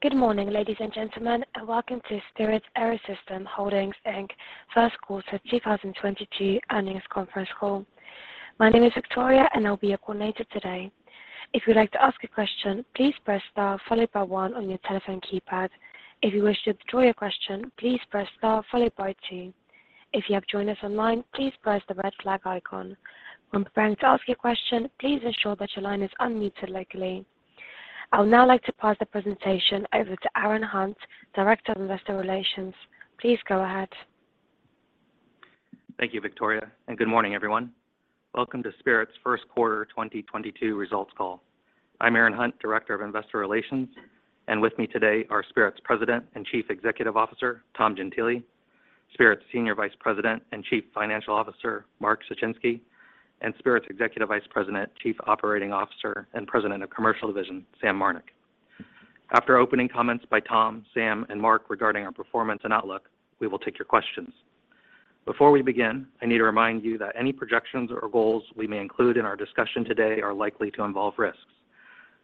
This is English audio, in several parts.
Good morning, ladies and gentlemen, and welcome to Spirit AeroSystems Holdings, Inc. first quarter 2022 earnings conference call. My name is Victoria and I'll be your coordinator today. If you'd like to ask a question, please press star followed by one on your telephone keypad. If you wish to withdraw your question, please press star followed by two. If you have joined us online, please press the red flag icon. When preparing to ask your question, please ensure that your line is unmuted locally. I would now like to pass the presentation over to Aaron Hunt, Director of Investor Relations. Please go ahead. Thank you, Victoria, and good morning, everyone. Welcome to Spirit's first quarter 2022 results call. I'm Aaron Hunt, Director of Investor Relations, and with me today are Spirit's President and Chief Executive Officer, Tom Gentile, Spirit's Senior Vice President and Chief Financial Officer, Mark Suchinski, and Spirit's Executive Vice President, Chief Operating Officer and President of Commercial Division, Sam Marnick. After opening comments by Tom, Sam, and Mark regarding our performance and outlook, we will take your questions. Before we begin, I need to remind you that any projections or goals we may include in our discussion today are likely to involve risks,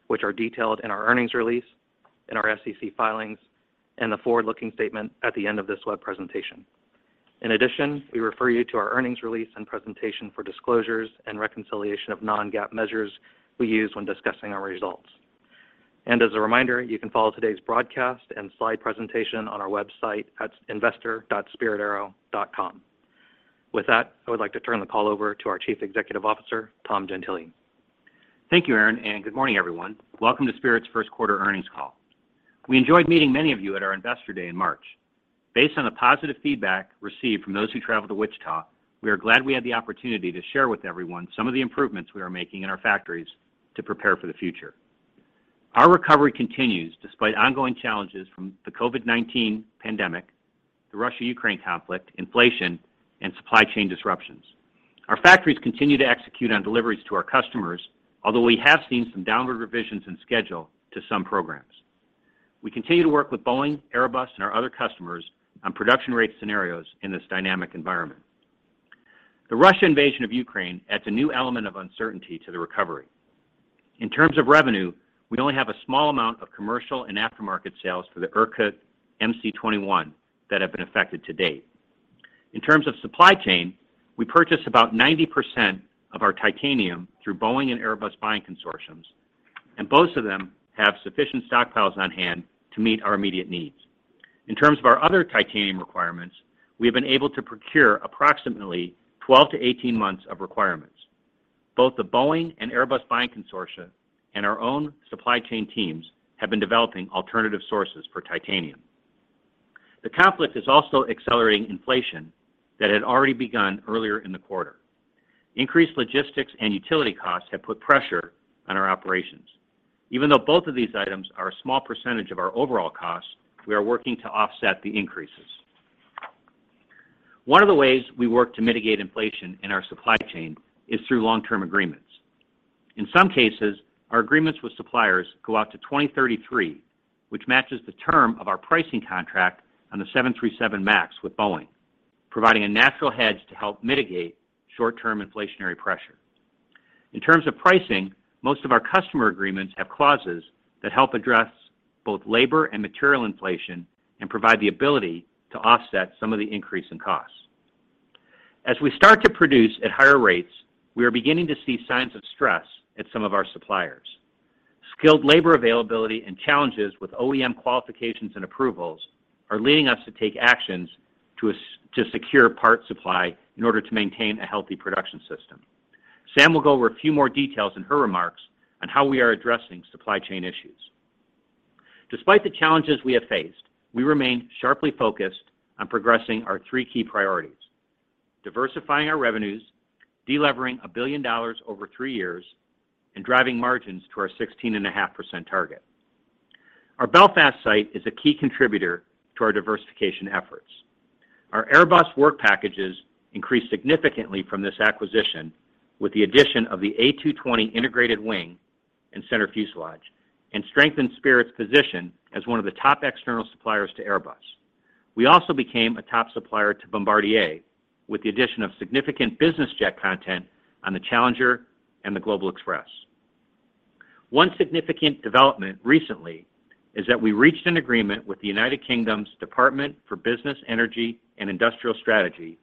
which are detailed in our earnings release, in our SEC filings, and the forward-looking statement at the end of this web presentation. In addition, we refer you to our earnings release and presentation for disclosures and reconciliation of non-GAAP measures we use when discussing our results. As a reminder, you can follow today's broadcast and slide presentation on our website at investor.spiritaero.com. With that, I would like to turn the call over to our Chief Executive Officer, Tom Gentile. Thank you, Aaron, and good morning, everyone. Welcome to Spirit's first quarter earnings call. We enjoyed meeting many of you at our Investor Day in March. Based on the positive feedback received from those who traveled to Wichita, we are glad we had the opportunity to share with everyone some of the improvements we are making in our factories to prepare for the future. Our recovery continues despite ongoing challenges from the COVID-19 pandemic, the Russia-Ukraine conflict, inflation, and supply chain disruptions. Our factories continue to execute on deliveries to our customers, although we have seen some downward revisions in schedule to some programs. We continue to work with Boeing, Airbus, and our other customers on production rate scenarios in this dynamic environment. The Russian invasion of Ukraine adds a new element of uncertainty to the recovery. In terms of revenue, we only have a small amount of commercial and aftermarket sales for the Irkut MC-21 that have been affected to date. In terms of supply chain, we purchase about 90% of our titanium through Boeing and Airbus buying consortia, and both of them have sufficient stockpiles on hand to meet our immediate needs. In terms of our other titanium requirements, we have been able to procure approximately 12-18 months of requirements. Both the Boeing and Airbus buying consortia and our own supply chain teams have been developing alternative sources for titanium. The conflict is also accelerating inflation that had already begun earlier in the quarter. Increased logistics and utility costs have put pressure on our operations. Even though both of these items are a small percentage of our overall costs, we are working to offset the increases. One of the ways we work to mitigate inflation in our supply chain is through long-term agreements. In some cases, our agreements with suppliers go out to 2033, which matches the term of our pricing contract on the 737 MAX with Boeing, providing a natural hedge to help mitigate short-term inflationary pressure. In terms of pricing, most of our customer agreements have clauses that help address both labor and material inflation and provide the ability to offset some of the increase in costs. As we start to produce at higher rates, we are beginning to see signs of stress at some of our suppliers. Skilled labor availability and challenges with OEM qualifications and approvals are leading us to take actions to secure part supply in order to maintain a healthy production system. Sam will go over a few more details in her remarks on how we are addressing supply chain issues. Despite the challenges we have faced, we remain sharply focused on progressing our three key priorities, diversifying our revenues, delevering $1 billion over three years, and driving margins to our 16.5% target. Our Belfast site is a key contributor to our diversification efforts. Our Airbus work packages increased significantly from this acquisition with the addition of the A220 integrated wing and center fuselage and strengthened Spirit's position as one of the top external suppliers to Airbus. We also became a top supplier to Bombardier with the addition of significant business jet content on the Challenger and the Global Express. One significant development recently is that we reached an agreement with the United Kingdom's Department for Business, Energy and Industrial Strategy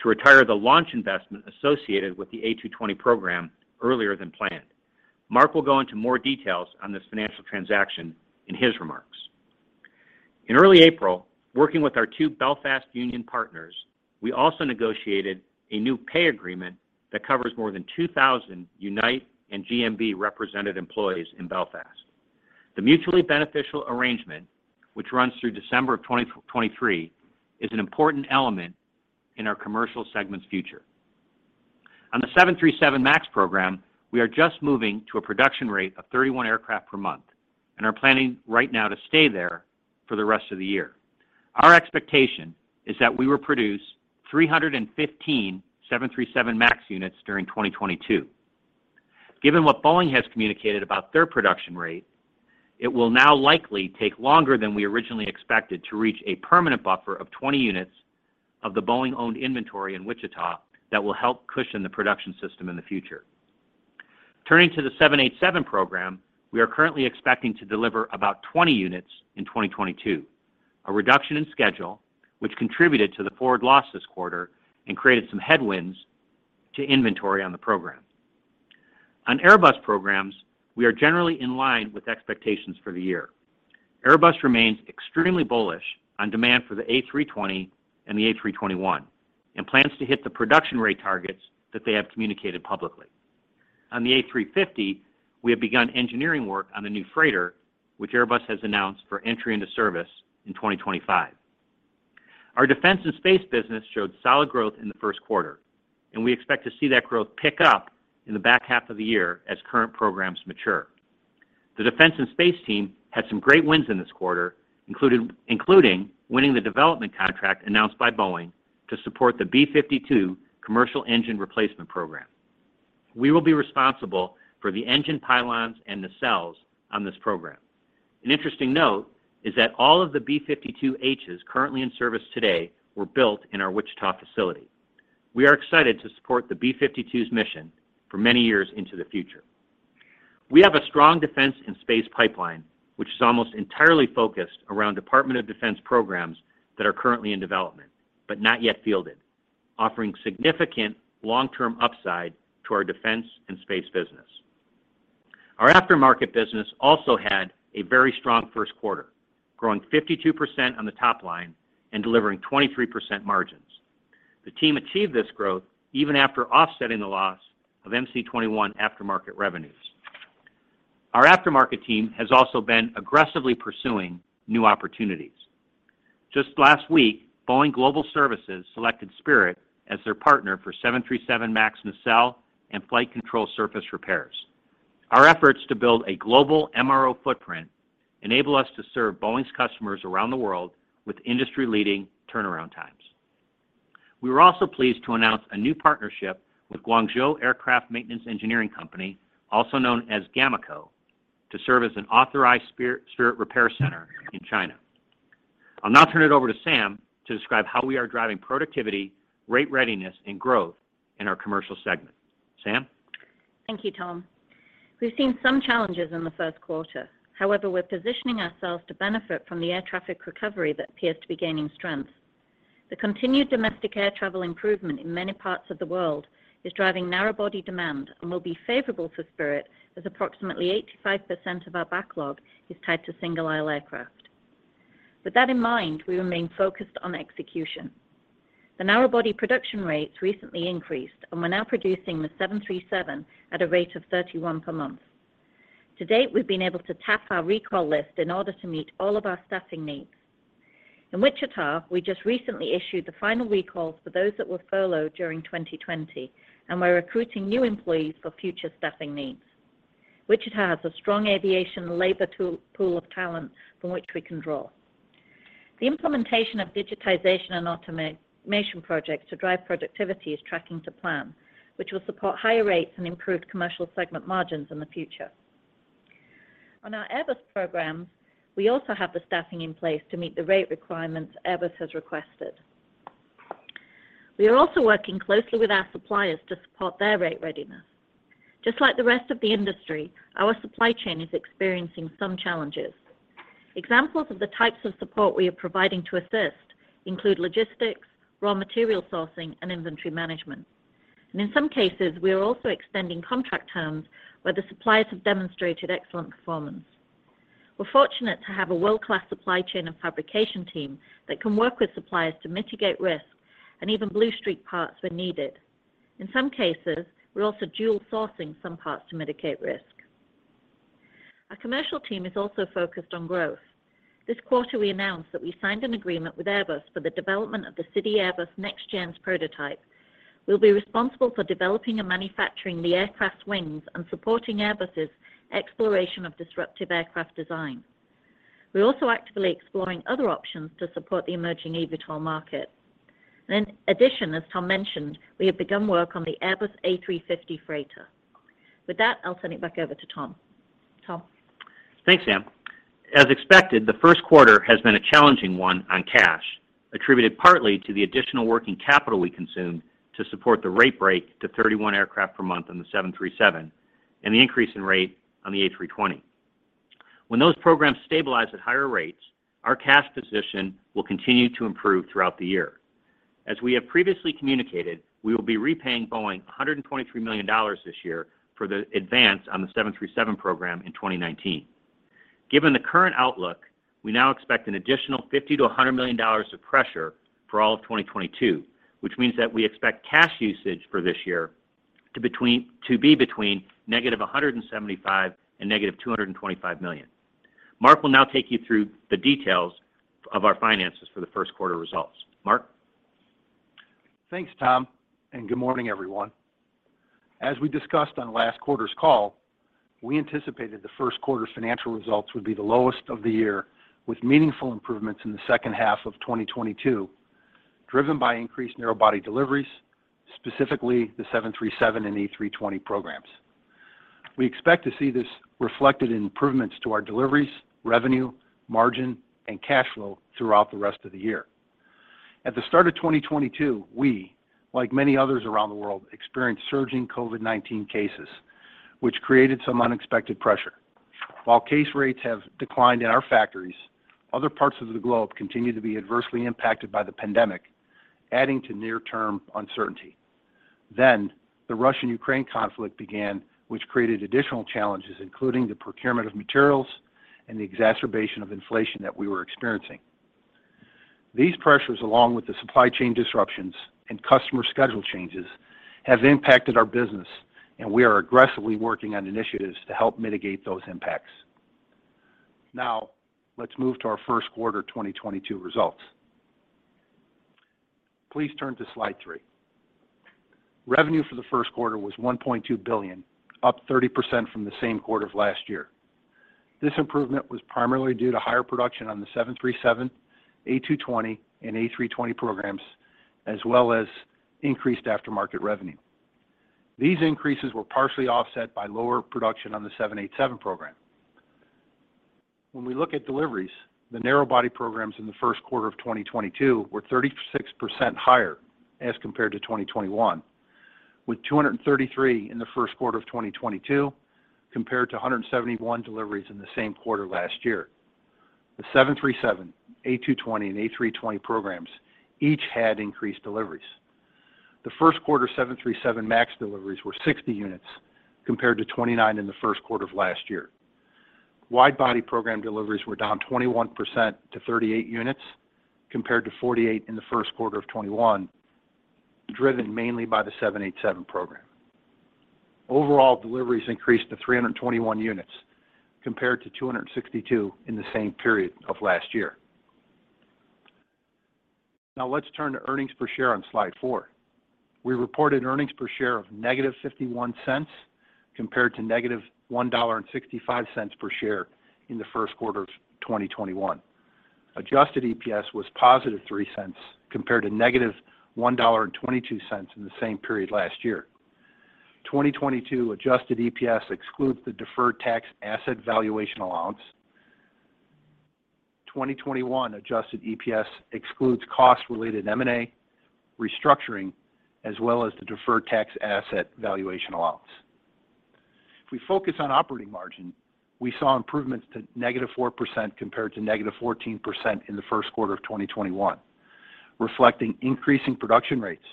to retire the launch investment associated with the A220 program earlier than planned. Mark will go into more details on this financial transaction in his remarks. In early April, working with our two Belfast union partners, we also negotiated a new pay agreement that covers more than 2,000 Unite and GMB-represented employees in Belfast. The mutually beneficial arrangement, which runs through December of 2023, is an important element in our commercial segment's future. On the 737 MAX program, we are just moving to a production rate of 31 aircraft per month and are planning right now to stay there for the rest of the year. Our expectation is that we will produce 315 737 MAX units during 2022. Given what Boeing has communicated about their production rate, it will now likely take longer than we originally expected to reach a permanent buffer of 20 units of the Boeing-owned inventory in Wichita that will help cushion the production system in the future. Turning to the 787 program, we are currently expecting to deliver about 20 units in 2022. A reduction in schedule which contributed to the forward loss this quarter and created some headwinds to inventory on the program. On Airbus programs, we are generally in line with expectations for the year. Airbus remains extremely bullish on demand for the A320 and the A321, and plans to hit the production rate targets that they have communicated publicly. On the A350, we have begun engineering work on a new freighter which Airbus has announced for entry into service in 2025. Our defense and space business showed solid growth in the first quarter, and we expect to see that growth pick up in the back half of the year as current programs mature. The defense and space team had some great wins in this quarter, including winning the development contract announced by Boeing to support the B-52 commercial engine replacement program. We will be responsible for the engine pylons and the cells on this program. An interesting note is that all of the B-52Hs currently in service today were built in our Wichita facility. We are excited to support the B-52's mission for many years into the future. We have a strong defense and space pipeline, which is almost entirely focused around Department of Defense programs that are currently in development, but not yet fielded, offering significant long-term upside to our defense and space business. Our aftermarket business also had a very strong first quarter, growing 52% on the top line and delivering 23% margins. The team achieved this growth even after offsetting the loss of MC-21 aftermarket revenues. Our aftermarket team has also been aggressively pursuing new opportunities. Just last week, Boeing Global Services selected Spirit as their partner for 737 MAX nacelle and flight control surface repairs. Our efforts to build a global MRO footprint enable us to serve Boeing's customers around the world with industry-leading turnaround times. We were also pleased to announce a new partnership with Guangzhou Aircraft Maintenance Engineering Company, also known as GAMECO, to serve as an authorized Spirit repair center in China. I'll now turn it over to Sam to describe how we are driving productivity, rate readiness, and growth in our commercial segment. Sam? Thank you, Tom. We've seen some challenges in the first quarter. However, we're positioning ourselves to benefit from the air traffic recovery that appears to be gaining strength. The continued domestic air travel improvement in many parts of the world is driving narrow body demand and will be favorable for Spirit as approximately 85% of our backlog is tied to single aisle aircraft. With that in mind, we remain focused on execution. The narrow body production rates recently increased, and we're now producing the 737 at a rate of 31 per month. To date, we've been able to tap our recall list in order to meet all of our staffing needs. In Wichita, we just recently issued the final recalls for those that were furloughed during 2020, and we're recruiting new employees for future staffing needs. Wichita has a strong aviation labor pool of talent from which we can draw. The implementation of digitization and automation projects to drive productivity is tracking to plan, which will support higher rates and improved commercial segment margins in the future. On our Airbus programs, we also have the staffing in place to meet the rate requirements Airbus has requested. We are also working closely with our suppliers to support their rate readiness. Just like the rest of the industry, our supply chain is experiencing some challenges. Examples of the types of support we are providing to assist include logistics, raw material sourcing, and inventory management. In some cases, we are also extending contract terms where the suppliers have demonstrated excellent performance. We're fortunate to have a world-class supply chain and fabrication team that can work with suppliers to mitigate risk and even blue streak parts when needed. In some cases, we're also dual sourcing some parts to mitigate risk. Our commercial team is also focused on growth. This quarter, we announced that we signed an agreement with Airbus for the development of the CityAirbus NextGen's prototype. We'll be responsible for developing and manufacturing the aircraft's wings and supporting Airbus's exploration of disruptive aircraft design. We're also actively exploring other options to support the emerging eVTOL market. In addition, as Tom mentioned, we have begun work on the Airbus A350 freighter. With that, I'll turn it back over to Tom. Tom? Thanks, Sam. As expected, the first quarter has been a challenging one on cash, attributed partly to the additional working capital we consumed to support the rate break to 31 aircraft per month on the 737 and the increase in rate on the A320. When those programs stabilize at higher rates, our cash position will continue to improve throughout the year. As we have previously communicated, we will be repaying Boeing $123 million this year for the advance on the 737 program in 2019. Given the current outlook, we now expect an additional $50 million-$100 million of pressure for all of 2022, which means that we expect cash usage for this year to be between -$175 million and -$225 million. Mark will now take you through the details of our finances for the first quarter results. Mark? Thanks, Tom, and good morning, everyone. As we discussed on last quarter's call, we anticipated the first quarter's financial results would be the lowest of the year, with meaningful improvements in the second half of 2022, driven by increased narrow body deliveries, specifically the 737 and A320 programs. We expect to see this reflected in improvements to our deliveries, revenue, margin, and cash flow throughout the rest of the year. At the start of 2022, we, like many others around the world, experienced surging COVID-19 cases which created some unexpected pressure. While case rates have declined in our factories, other parts of the globe continue to be adversely impacted by the pandemic, adding to near-term uncertainty. The Russia-Ukraine conflict began, which created additional challenges, including the procurement of materials and the exacerbation of inflation that we were experiencing. These pressures, along with the supply chain disruptions and customer schedule changes, have impacted our business, and we are aggressively working on initiatives to help mitigate those impacts. Now let's move to our first quarter 2022 results. Please turn to slide three. Revenue for the first quarter was $1.2 billion, up 30% from the same quarter of last year. This improvement was primarily due to higher production on the 737, A220, and A320 programs, as well as increased aftermarket revenue. These increases were partially offset by lower production on the 787 program. When we look at deliveries, the narrow body programs in the first quarter of 2022 were 36% higher as compared to 2021, with 233 in the first quarter of 2022 compared to 171 deliveries in the same quarter last year. The 737, A220, and A320 programs each had increased deliveries. The first quarter 737 MAX deliveries were 60 units, compared to 29 in the first quarter of last year. Wide body program deliveries were down 21% to 38 units, compared to 48 in the first quarter of 2021, driven mainly by the 787 program. Overall deliveries increased to 321 units, compared to 262 in the same period of last year. Now let's turn to earnings per share on slide four. We reported earnings per share of -$0.51 compared to -$1.65 per share in the first quarter of 2021. Adjusted EPS was +$0.03 compared to -$1.22 in the same period last year. 2022 adjusted EPS excludes the deferred tax asset valuation allowance. 2021 adjusted EPS excludes costs related to M&A restructuring, as well as the deferred tax asset valuation allowance. If we focus on operating margin, we saw improvements to -4% compared to -14% in the first quarter of 2021, reflecting increasing production rates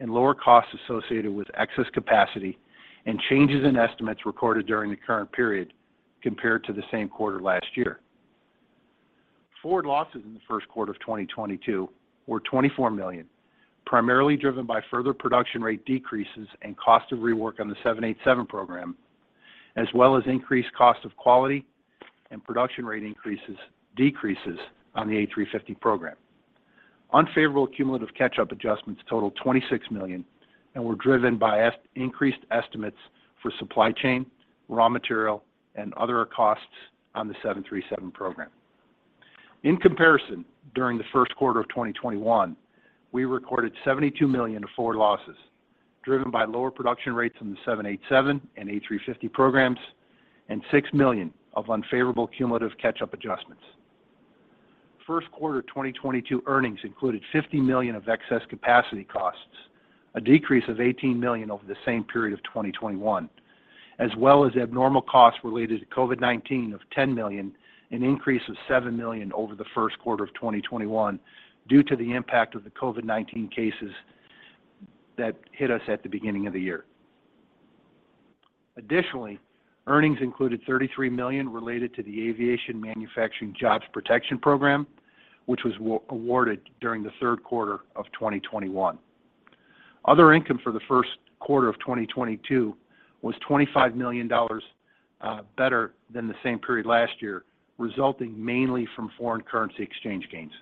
and lower costs associated with excess capacity and changes in estimates recorded during the current period compared to the same quarter last year. Forward losses in the first quarter of 2022 were $24 million, primarily driven by further production rate decreases and cost of rework on the 787 program, as well as increased cost of quality and production rate decreases on the A350 program. Unfavorable cumulative catch-up adjustments totaled $26 million and were driven by increased estimates for supply chain, raw material, and other costs on the 737 program. In comparison, during the first quarter of 2021, we recorded $72 million forward losses driven by lower production rates in the 787 and A350 programs and $6 million of unfavorable cumulative catch-up adjustments. First quarter 2022 earnings included $50 million of excess capacity costs, a decrease of $18 million over the same period of 2021, as well as abnormal costs related to COVID-19 of $10 million, an increase of $7 million over the first quarter of 2021 due to the impact of the COVID-19 cases that hit us at the beginning of the year. Additionally, earnings included $33 million related to the Aviation Manufacturing Jobs Protection Program, which was awarded during the third quarter of 2021. Other income for the first quarter of 2022 was $25 million, better than the same period last year, resulting mainly from foreign currency exchange gains.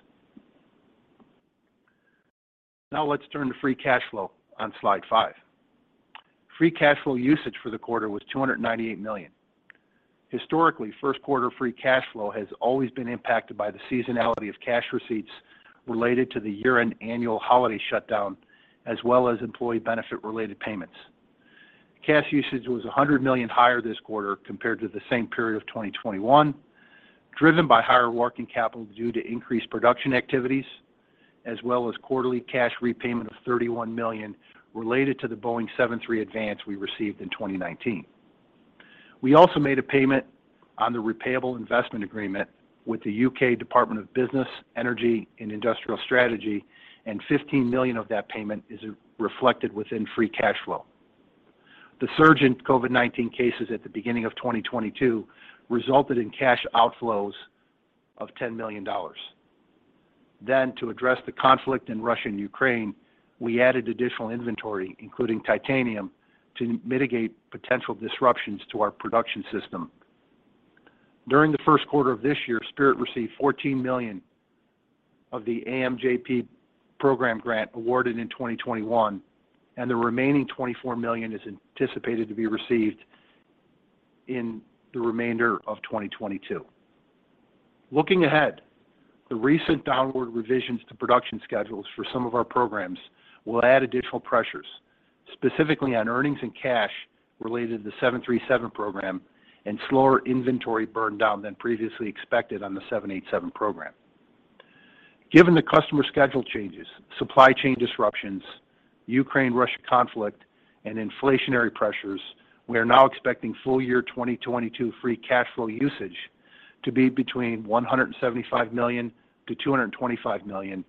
Now let's turn to free cash flow on slide five. Free cash flow usage for the quarter was $298 million. Historically, first quarter free cash flow has always been impacted by the seasonality of cash receipts related to the year-end annual holiday shutdown, as well as employee benefit related payments. Cash usage was $100 million higher this quarter compared to the same period of 2021, driven by higher working capital due to increased production activities as well as quarterly cash repayment of $31 million related to the Boeing 737 advance we received in 2019. We also made a payment on the repayable investment agreement with the U.K. Department for Business, Energy and Industrial Strategy, and $15 million of that payment is reflected within free cash flow. The surge in COVID-19 cases at the beginning of 2022 resulted in cash outflows of $10 million. To address the conflict in Russia and Ukraine, we added additional inventory, including titanium, to mitigate potential disruptions to our production system. During the first quarter of this year, Spirit received $14 million of the AMJP program grant awarded in 2021, and the remaining $24 million is anticipated to be received in the remainder of 2022. Looking ahead, the recent downward revisions to production schedules for some of our programs will add additional pressures. Specifically on earnings and cash related to the 737 program and slower inventory burn down than previously expected on the 787 program. Given the customer schedule changes, supply chain disruptions, Ukraine-Russia conflict, and inflationary pressures, we are now expecting full year 2022 free cash flow usage to be between $175 million-$225 million,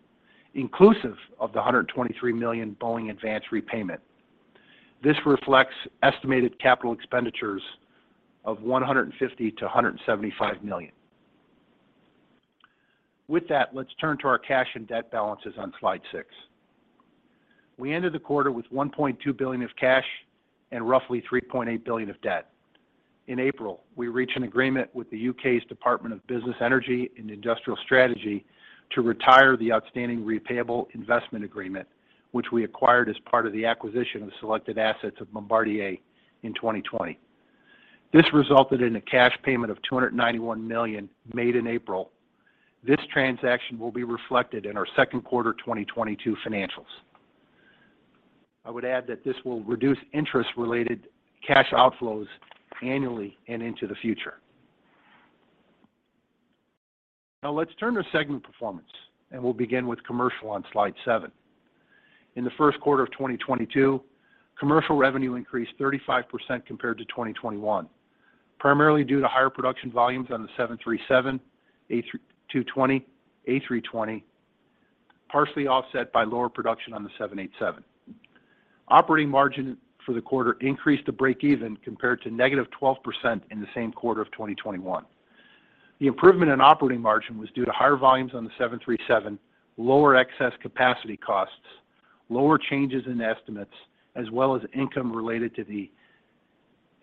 inclusive of the $123 million Boeing advance repayment. This reflects estimated capital expenditures of $150 million-$175 million. With that, let's turn to our cash and debt balances on slide six. We ended the quarter with $1.2 billion of cash and roughly $3.8 billion of debt. In April, we reached an agreement with the U.K.'s Department for Business, Energy and Industrial Strategy to retire the outstanding repayable investment agreement, which we acquired as part of the acquisition of selected assets of Bombardier in 2020. This resulted in a cash payment of $291 million made in April. This transaction will be reflected in our second quarter 2022 financials. I would add that this will reduce interest related cash outflows annually and into the future. Now let's turn to segment performance, and we'll begin with commercial on slide seven. In the first quarter of 2022, commercial revenue increased 35% compared to 2021, primarily due to higher production volumes on the 737, A220, A320, partially offset by lower production on the 787. Operating margin for the quarter increased to breakeven compared to -12% in the same quarter of 2021. The improvement in operating margin was due to higher volumes on the 737, lower excess capacity costs, lower changes in estimates, as well as income related to the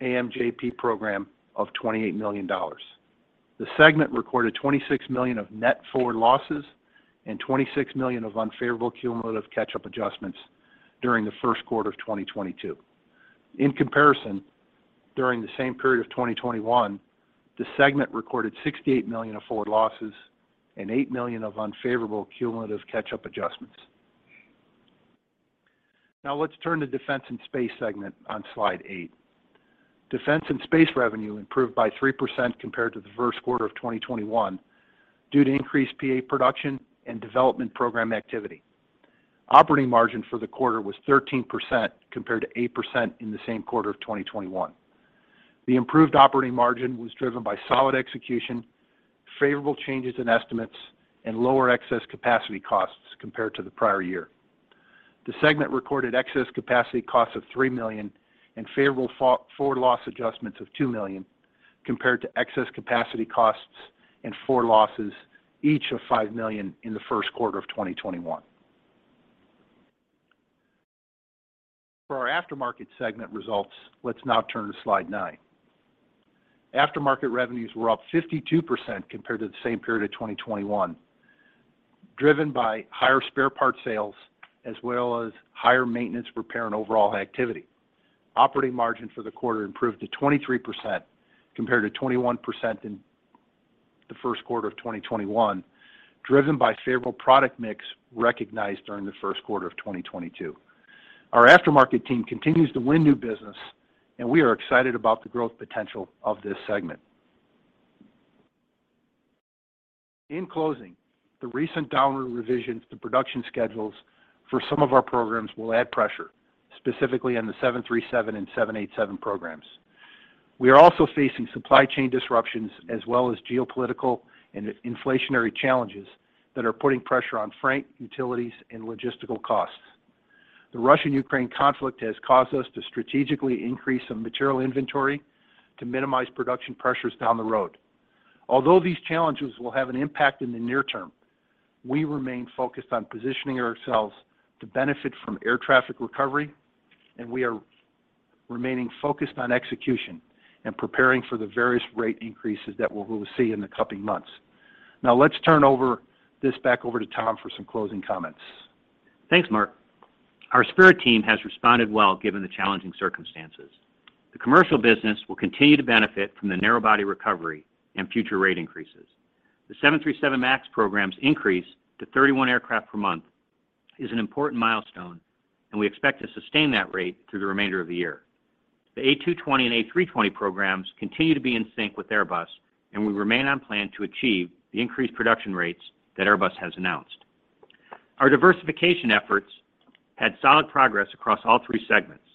AMJP program of $28 million. The segment recorded $26 million of net forward losses and $26 million of unfavorable cumulative catch-up adjustments during the first quarter of 2022. In comparison, during the same period of 2021, the segment recorded $68 million of forward losses and $8 million of unfavorable cumulative catch-up adjustments. Now let's turn to defense and space segment on slide eight. Defense and space revenue improved by 3% compared to the first quarter of 2021 due to increased PA production and development program activity. Operating margin for the quarter was 13% compared to 8% in the same quarter of 2021. The improved operating margin was driven by solid execution, favorable changes in estimates, and lower excess capacity costs compared to the prior year. The segment recorded excess capacity costs of $3 million and favorable forward loss adjustments of $2 million compared to excess capacity costs and forward losses each of $5 million in the first quarter of 2021. For our aftermarket segment results, let's now turn to slide nine. Aftermarket revenues were up 52% compared to the same period of 2021, driven by higher spare parts sales as well as higher maintenance, repair, and overhaul activity. Operating margin for the quarter improved to 23% compared to 21% in the first quarter of 2021, driven by favorable product mix recognized during the first quarter of 2022. Our aftermarket team continues to win new business, and we are excited about the growth potential of this segment. In closing, the recent downward revisions to production schedules for some of our programs will add pressure, specifically on the 737 and 787 programs. We are also facing supply chain disruptions as well as geopolitical and inflationary challenges that are putting pressure on freight, utilities, and logistical costs. The Russia-Ukraine conflict has caused us to strategically increase some material inventory to minimize production pressures down the road. Although these challenges will have an impact in the near term, we remain focused on positioning ourselves to benefit from air traffic recovery, and we are remaining focused on execution and preparing for the various rate increases that we'll see in the coming months. Now let's turn over this back over to Tom for some closing comments. Thanks, Mark. Our Spirit team has responded well given the challenging circumstances. The commercial business will continue to benefit from the narrow-body recovery and future rate increases. The 737 MAX program's increase to 31 aircraft per month is an important milestone, and we expect to sustain that rate through the remainder of the year. The A220 and A320 programs continue to be in sync with Airbus, and we remain on plan to achieve the increased production rates that Airbus has announced. Our diversification efforts had solid progress across all three segments.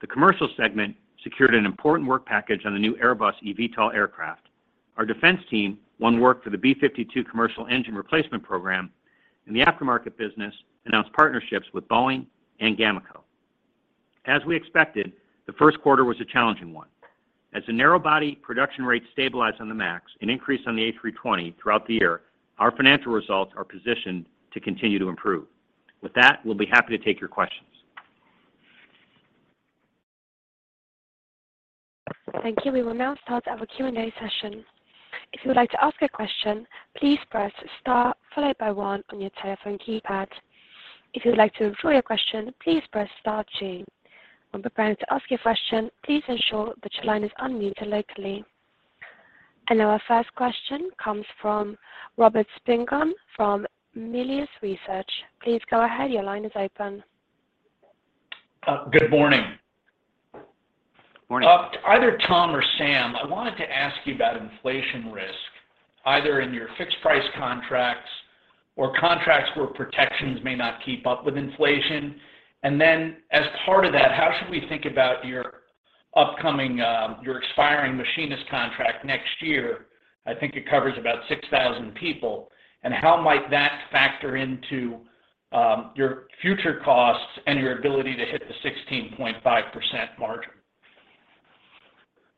The commercial segment secured an important work package on the new Airbus eVTOL aircraft. Our defense team won work for the B-52 commercial engine replacement program, and the aftermarket business announced partnerships with Boeing and GAMECO. As we expected, the first quarter was a challenging one. As the narrow-body production rates stabilize on the MAX and increase on the A320 throughout the year, our financial results are positioned to continue to improve. With that, we'll be happy to take your questions. Thank you. We will now start our Q&A session. If you would like to ask a question, please press star followed by one on your telephone keypad. If you would like to withdraw your question, please press star two. When preparing to ask your question, please ensure that your line is unmuted locally. Our first question comes from Robert Spingarn from Melius Research. Please go ahead. Your line is open. Good morning. Morning. To either Tom or Sam, I wanted to ask you about inflation risk, either in your fixed price contracts or contracts where protections may not keep up with inflation. As part of that, how should we think about your upcoming expiring machinist contract next year? I think it covers about 6,000 people. How might that factor into your future costs and your ability to hit the 16.5% margin?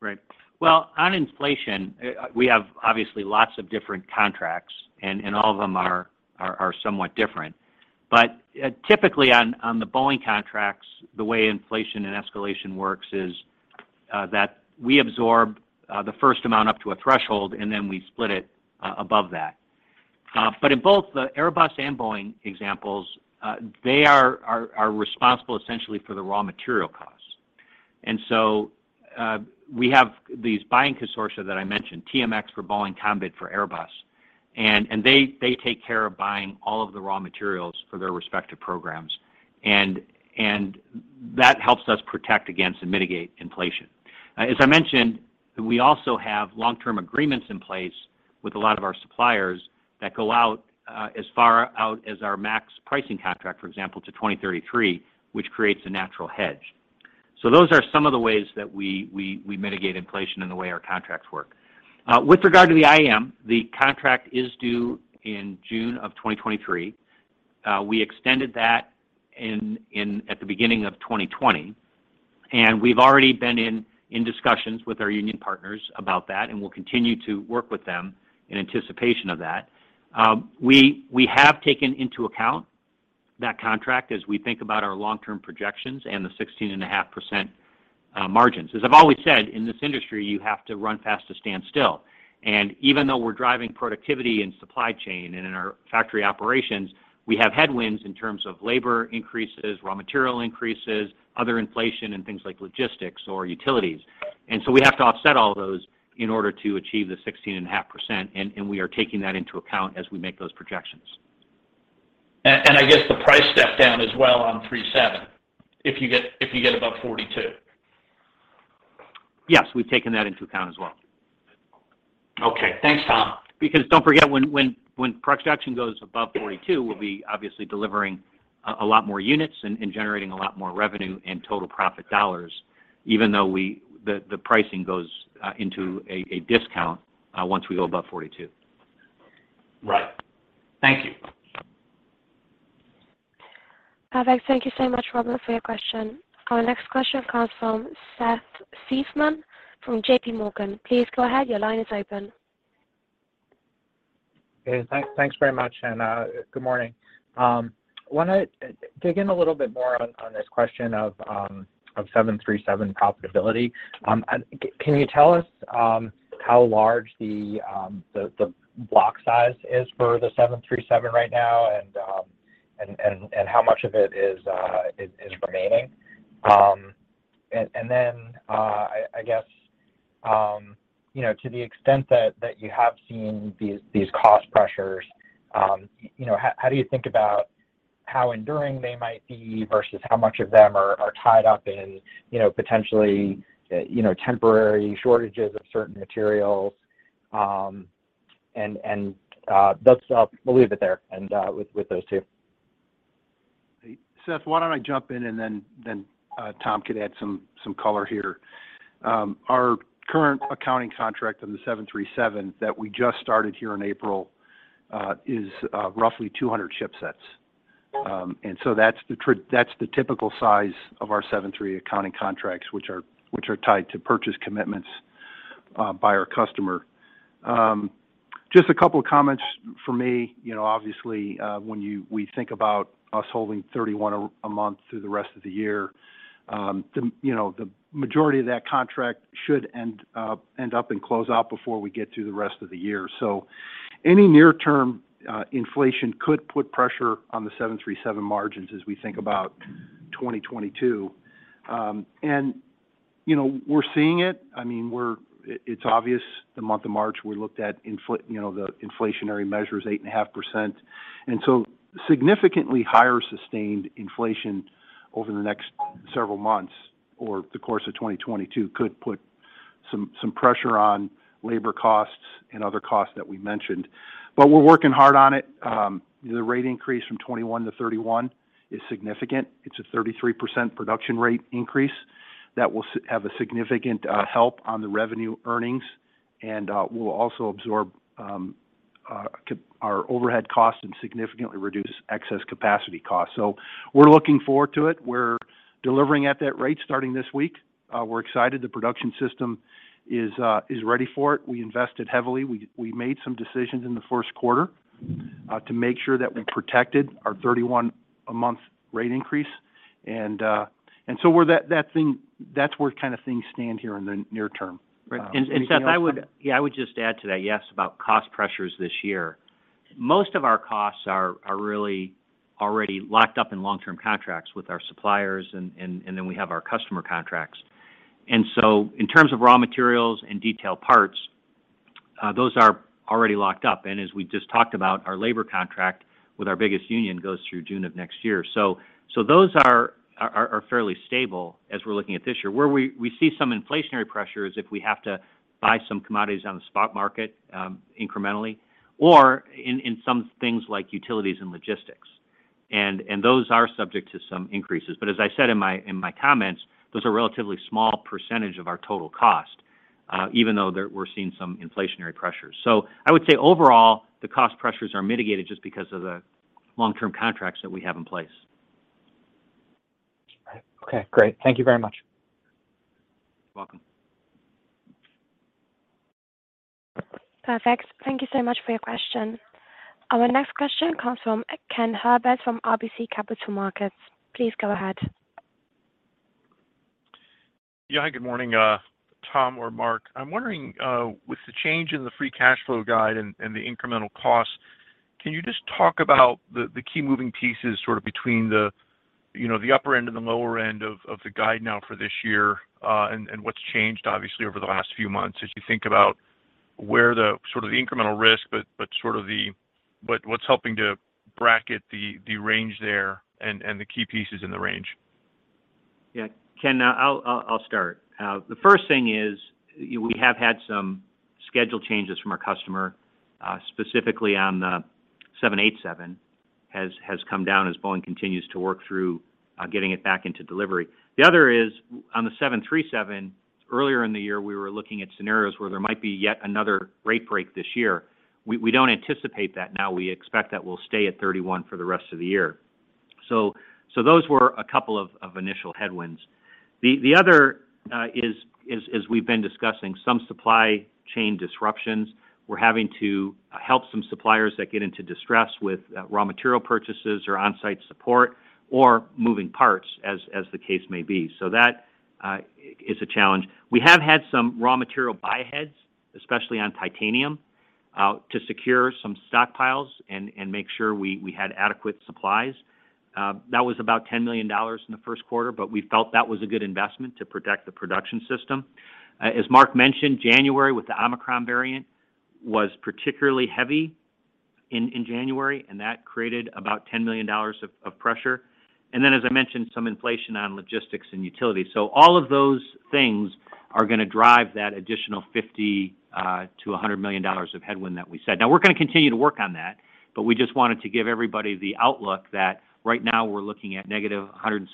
Right. Well, on inflation, we have obviously lots of different contracts and all of them are somewhat different. Typically on the Boeing contracts, the way inflation and escalation works is that we absorb the first amount up to a threshold, and then we split it above that. In both the Airbus and Boeing examples, they are responsible essentially for the raw material costs. We have these buying consortia that I mentioned, TMX for Boeing, Combit for Airbus, and they take care of buying all of the raw materials for their respective programs. That helps us protect against and mitigate inflation. As I mentioned, we also have long-term agreements in place with a lot of our suppliers that go out as far out as our MAX pricing contract, for example, to 2033, which creates a natural hedge. Those are some of the ways that we mitigate inflation in the way our contracts work. With regard to the IAM, the contract is due in June of 2023. We extended that at the beginning of 2020, and we've already been in discussions with our union partners about that, and we'll continue to work with them in anticipation of that. We have taken into account that contract as we think about our long-term projections and the 16.5% margins. As I've always said, in this industry, you have to run fast to stand still. Even though we're driving productivity in supply chain and in our factory operations, we have headwinds in terms of labor increases, raw material increases, other inflation in things like logistics or utilities. We have to offset all those in order to achieve the 16.5%, and we are taking that into account as we make those projections. I guess the price step down as well on 737 if you get above 42. Yes, we've taken that into account as well. Okay. Thanks, Tom. Because don't forget, when production goes above 42, we'll be obviously delivering a lot more units and generating a lot more revenue and total profit dollars, even though the pricing goes into a discount once we go above 42. Right. Thank you. Perfect. Thank you so much, Robert, for your question. Our next question comes from Seth Seifman from JPMorgan. Please go ahead. Your line is open. Hey, thanks very much, and good morning. Want to dig in a little bit more on this question of 737 profitability. Can you tell us how large the block size is for the 737 right now and how much of it is remaining? I guess you know, to the extent that you have seen these cost pressures, you know, how do you think about how enduring they might be versus how much of them are tied up in you know, potentially temporary shortages of certain materials? I'll leave it there with those two. Hey, Seth, why don't I jump in and Tom could add some color here. Our current accounting contract on the 737 that we just started here in April is roughly 200 shipsets. That's the typical size of our 737 accounting contracts, which are tied to purchase commitments by our customer. Just a couple of comments from me. You know, obviously, we think about us holding 31 a month through the rest of the year, you know, the majority of that contract should end up and close out before we get through the rest of the year. Any near-term inflation could put pressure on the 737 margins as we think about 2022. You know, we're seeing it. I mean, it's obvious the month of March, we looked at inflation, you know, the inflationary measure is 8.5%. Significantly higher sustained inflation over the next several months or the course of 2022 could put some pressure on labor costs and other costs that we mentioned. But we're working hard on it. The rate increase from 21 to 31 is significant. It's a 33% production rate increase that will have a significant help on the revenue earnings and will also absorb our overhead costs and significantly reduce excess capacity costs. We're looking forward to it. We're delivering at that rate starting this week. We're excited the production system is ready for it. We invested heavily. We made some decisions in the first quarter to make sure that we protected our 31 a month rate increase. That's where kind of things stand here in the near term. Anything you want to add? Seth, I would just add to that, yes, about cost pressures this year. Most of our costs are really already locked up in long-term contracts with our suppliers and then we have our customer contracts. In terms of raw materials and detailed parts, those are already locked up. As we just talked about, our labor contract with our biggest union goes through June of next year. Those are fairly stable as we're looking at this year. Where we see some inflationary pressure is if we have to buy some commodities on the spot market, incrementally or in some things like utilities and logistics. Those are subject to some increases. As I said in my comments, those are relatively small percentage of our total cost, even though we're seeing some inflationary pressures. I would say overall, the cost pressures are mitigated just because of the long-term contracts that we have in place. All right. Okay, great. Thank you very much. You're welcome. Perfect. Thank you so much for your question. Our next question comes from Ken Herbert from RBC Capital Markets. Please go ahead. Yeah. Hi, good morning, Tom or Mark. I'm wondering, with the change in the free cash flow guide and the incremental costs, can you just talk about the key moving pieces sort of between the, you know, the upper end and the lower end of the guide now for this year, and what's changed obviously over the last few months as you think about where the sort of the incremental risk, but sort of the but what's helping to bracket the range there and the key pieces in the range? Yeah. Ken, I'll start. The first thing is, you know, we have had some schedule changes from our customer, specifically on the 787 has come down as Boeing continues to work through getting it back into delivery. The other is on the 737, earlier in the year, we were looking at scenarios where there might be yet another rate break this year. We don't anticipate that now. We expect that we'll stay at 31 for the rest of the year. Those were a couple of initial headwinds. The other is we've been discussing some supply chain disruptions. We're having to help some suppliers that get into distress with raw material purchases or onsite support or moving parts as the case may be. That is a challenge. We have had some raw material buy-aheads, especially on titanium, to secure some stockpiles and make sure we had adequate supplies. That was about $10 million in the first quarter, but we felt that was a good investment to protect the production system. As Mark mentioned, January with the Omicron variant was particularly heavy in January, and that created about $10 million of pressure. As I mentioned, some inflation on logistics and utilities. All of those things are gonna drive that additional $50 million-$100 million of headwind that we said. Now we're gonna continue to work on that, but we just wanted to give everybody the outlook that right now we're looking at -$175 million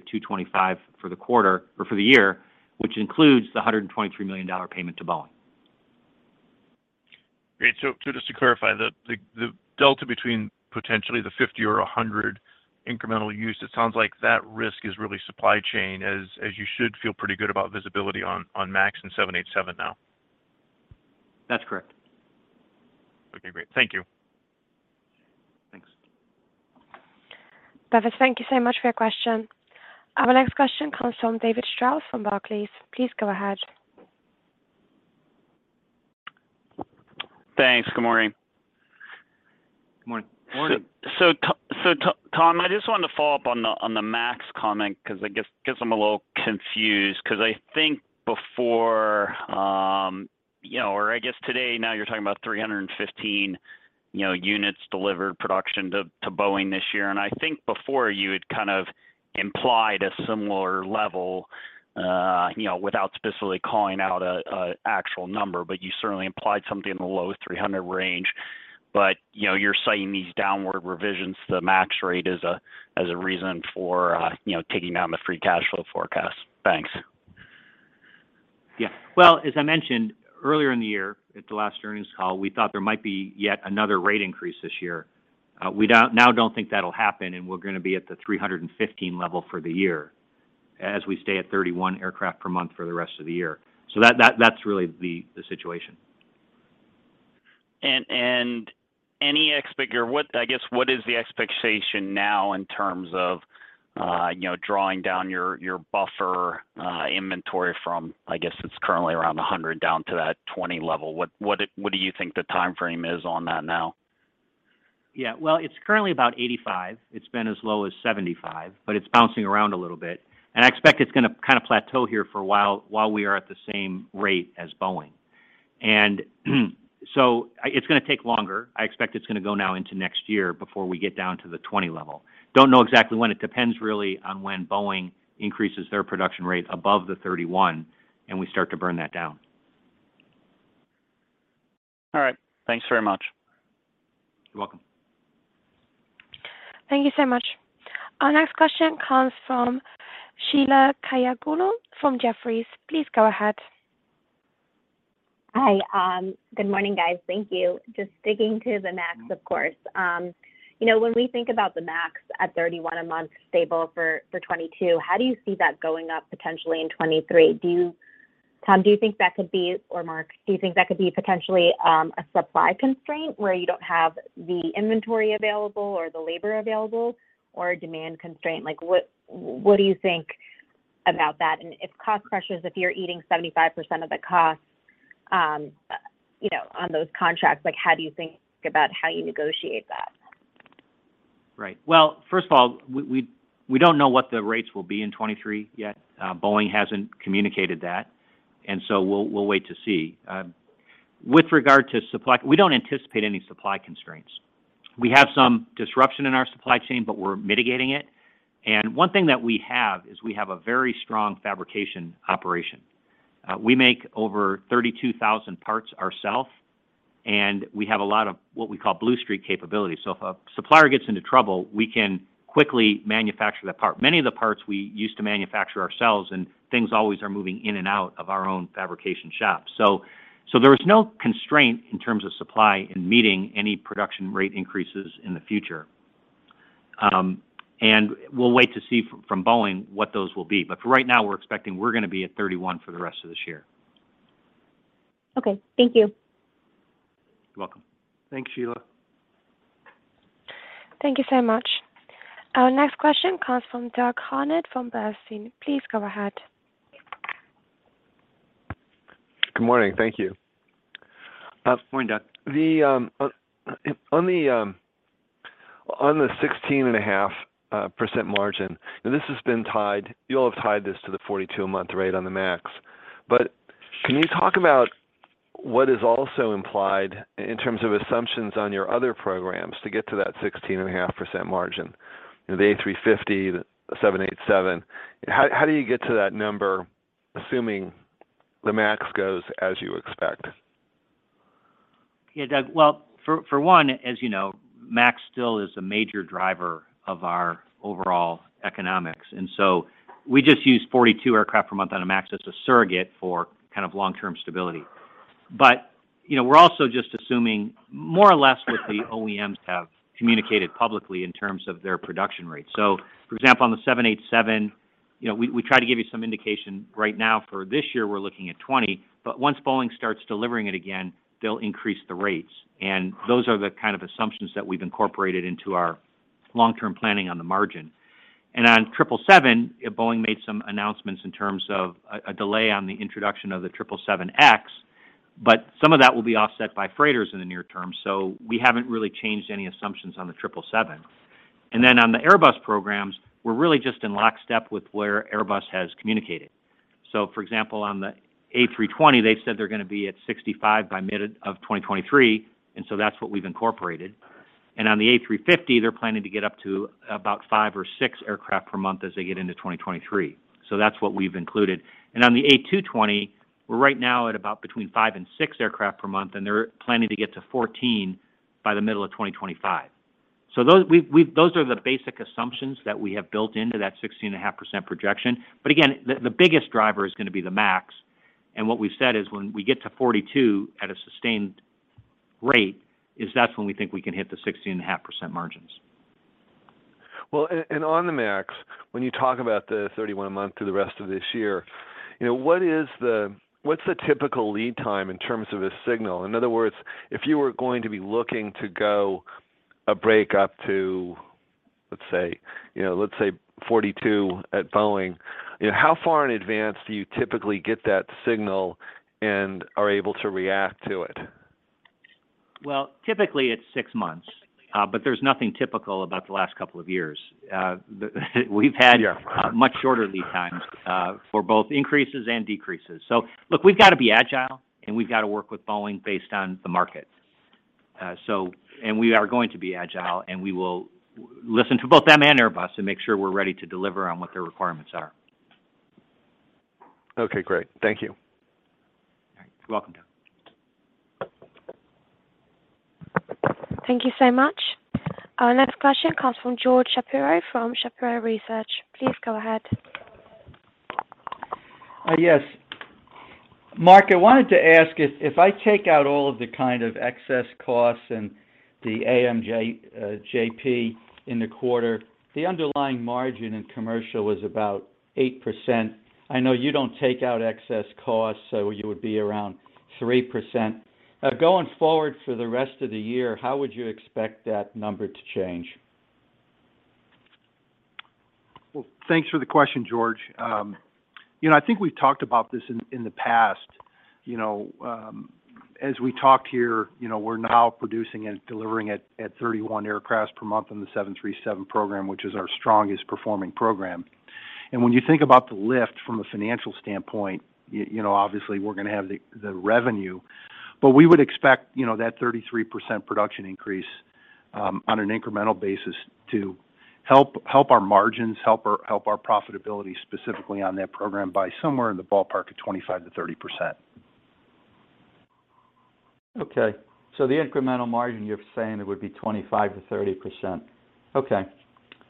to -$225 million for the quarter or for the year, which includes the $123 million payment to Boeing. Great. Just to clarify, the delta between potentially the $50 or $100 incremental use, it sounds like that risk is really supply chain as you should feel pretty good about visibility on MAX and 787 now. That's correct. Okay, great. Thank you. Thanks. Perfect. Thank you so much for your question. Our next question comes from David Strauss from Barclays. Please go ahead. Thanks. Good morning. Good morning. Morning. Tom, I just wanted to follow up on the Max comment because I'm a little confused because I think before, you know, or I guess today now you're talking about 315 units delivered production to Boeing this year. I think before you had kind of implied a similar level, you know, without specifically calling out a actual number, but you certainly implied something in the low 300 range. You're citing these downward revisions to the Max rate as a reason for taking down the free cash flow forecast. Thanks. Yeah. Well, as I mentioned earlier in the year at the last earnings call, we thought there might be yet another rate increase this year. We now don't think that'll happen, and we're gonna be at the 315 level for the year as we stay at 31 aircraft per month for the rest of the year. That's really the situation. What, I guess, what is the expectation now in terms of, you know, drawing down your buffer inventory from, I guess it's currently around 100 down to that 20 level? What do you think the timeframe is on that now? Yeah. Well, it's currently about 85. It's been as low as 75, but it's bouncing around a little bit. I expect it's gonna kind of plateau here for a while we are at the same rate as Boeing. It's gonna take longer. I expect it's gonna go now into next year before we get down to the 20 level. Don't know exactly when. It depends really on when Boeing increases their production rate above the 31, and we start to burn that down. All right. Thanks very much. You're welcome. Thank you so much. Our next question comes from Sheila Kahyaoglu from Jefferies. Please go ahead. Hi. Good morning, guys. Thank you. Just sticking to the MAX, of course. You know, when we think about the MAX at 31 a month stable for 2022, how do you see that going up potentially in 2023? Tom, do you think that could be or Mark, do you think that could be potentially a supply constraint where you don't have the inventory available or the labor available or a demand constraint? Like, what do you think about that, and if cost pressures, if you're eating 75% of the cost, you know, on those contracts, like, how do you think about how you negotiate that? Right. Well, first of all, we don't know what the rates will be in 2023 yet. Boeing hasn't communicated that, so we'll wait to see. With regard to supply, we don't anticipate any supply constraints. We have some disruption in our supply chain, but we're mitigating it. One thing that we have is we have a very strong fabrication operation. We make over 32,000 parts ourself, and we have a lot of what we call blue streak capabilities. So if a supplier gets into trouble, we can quickly manufacture that part. Many of the parts we used to manufacture ourselves, and things always are moving in and out of our own fabrication shop. So there is no constraint in terms of supply in meeting any production rate increases in the future. We'll wait to see from Boeing what those will be. For right now, we're expecting we're gonna be at 31 for the rest of this year. Okay. Thank you. You're welcome. Thanks, Sheila. Thank you so much. Our next question comes from Doug Harned from Bernstein. Please go ahead. Good morning. Thank you. Good morning, Doug. On the 16.5% margin, now this has been tied. You all have tied this to the 42-a-month rate on the MAX. Can you talk about what is also implied in terms of assumptions on your other programs to get to that 16.5% margin? You know, the A350, the 787. How do you get to that number, assuming the MAX goes as you expect? Yeah, Doug. Well, for one, as you know, MAX still is a major driver of our overall economics. We just use 42 aircraft per month on a MAX as a surrogate for kind of long-term stability. You know, we're also just assuming more or less what the OEMs have communicated publicly in terms of their production rate. For example, on the 787, you know, we try to give you some indication right now for this year we're looking at 20, but once Boeing starts delivering it again, they'll increase the rates, and those are the kind of assumptions that we've incorporated into our long-term planning on the margin. On 777, Boeing made some announcements in terms of a delay on the introduction of the 777X, but some of that will be offset by freighters in the near term, so we haven't really changed any assumptions on the 777. On the Airbus programs, we're really just in lockstep with where Airbus has communicated. For example, on the A320, they said they're gonna be at 65 by mid-2023, and that's what we've incorporated. On the A350, they're planning to get up to about five or six aircraft per month as they get into 2023. That's what we've included. On the A220, we're right now at about between five and six aircraft per month, and they're planning to get to 14 by the middle of 2025. Those are the basic assumptions that we have built into that 16.5% projection. Again, the biggest driver is gonna be the MAX, and what we've said is when we get to 42 at a sustained rate, is that's when we think we can hit the 16.5% margins. Well, and on the MAX, when you talk about the 31 a month through the rest of this year, you know, what's the typical lead time in terms of a signal? In other words, if you were going to be looking to go and ramp up to, let's say, you know, let's say 42 at Boeing, you know, how far in advance do you typically get that signal and are able to react to it? Well, typically it's six months, but there's nothing typical about the last couple of years. Yeah. Much shorter lead times for both increases and decreases. Look, we've got to be agile, and we've got to work with Boeing based on the market. We are going to be agile, and we will listen to both them and Airbus and make sure we're ready to deliver on what their requirements are. Okay, great. Thank you. All right. You're welcome, Doug. Thank you so much. Our next question comes from George Shapiro from Shapiro Research. Please go ahead. Yes. Mark, I wanted to ask if I take out all of the kind of excess costs and the AMJP in the quarter, the underlying margin in commercial was about 8%. I know you don't take out excess costs, so you would be around 3%. Going forward for the rest of the year, how would you expect that number to change? Well, thanks for the question, George. You know, I think we've talked about this in the past. You know, as we talked here, you know, we're now producing and delivering at 31 aircraft per month on the 737 program, which is our strongest performing program. When you think about the lift from a financial standpoint, you know, obviously we're gonna have the revenue. But we would expect, you know, that 33% production increase on an incremental basis to help our margins, help our profitability specifically on that program by somewhere in the ballpark of 25%-30%. Okay. The incremental margin, you're saying it would be 25%-30%. Okay.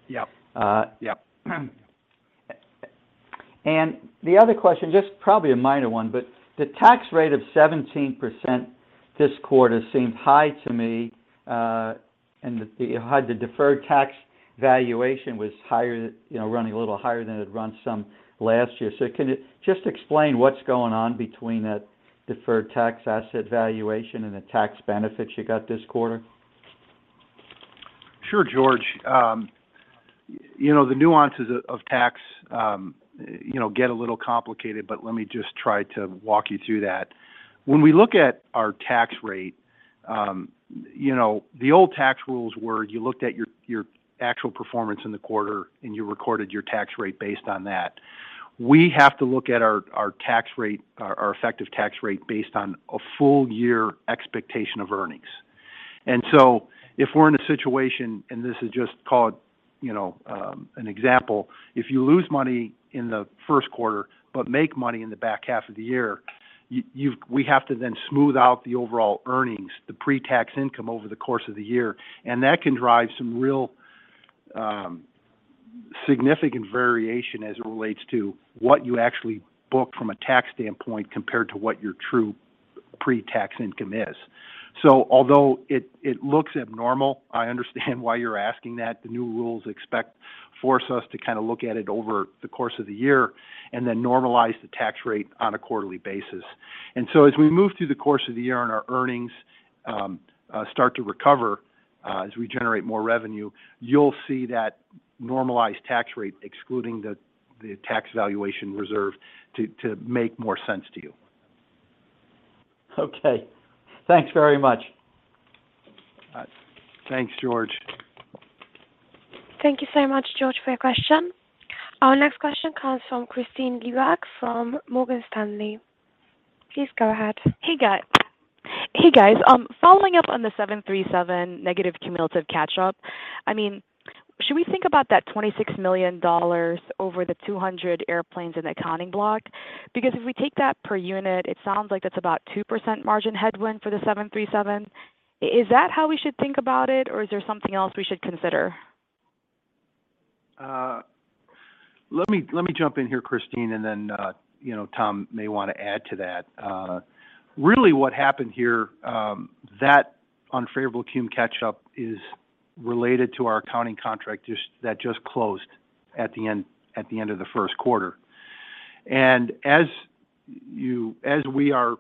Yep. Uh- Yep. The other question, just probably a minor one, but the tax rate of 17% this quarter seems high to me. The deferred tax valuation was higher, you know, running a little higher than it had run some last year. Can you just explain what's going on between that deferred tax asset valuation and the tax benefits you got this quarter? Sure, George. You know, the nuances of tax get a little complicated, but let me just try to walk you through that. When we look at our tax rate, you know, the old tax rules were you looked at your actual performance in the quarter, and you recorded your tax rate based on that. We have to look at our tax rate, our effective tax rate based on a full year expectation of earnings. If we're in a situation, and this is just called, you know, an example, if you lose money in the first quarter but make money in the back half of the year, we have to then smooth out the overall earnings, the pre-tax income over the course of the year. That can drive some real significant variation as it relates to what you actually book from a tax standpoint compared to what your true pre-tax income is. Although it looks abnormal, I understand why you're asking that. The new rules force us to kind of look at it over the course of the year and then normalize the tax rate on a quarterly basis. As we move through the course of the year and our earnings start to recover as we generate more revenue, you'll see that normalized tax rate excluding the tax valuation reserve to make more sense to you. Okay. Thanks very much. Thanks, George. Thank you so much, George, for your question. Our next question comes from Kristine Liwag from Morgan Stanley. Please go ahead. Following up on the 737 negative cumulative catch up, I mean, should we think about that $26 million over the 200 airplanes in the accounting block? Because if we take that per unit, it sounds like that's about 2% margin headwind for the 737. Is that how we should think about it, or is there something else we should consider? Let me jump in here, Christine, and then, you know, Tom may want to add to that. Really what happened here, that unfavorable cumulative catch-up is related to our cost accounting contract that just closed at the end of the first quarter. As we are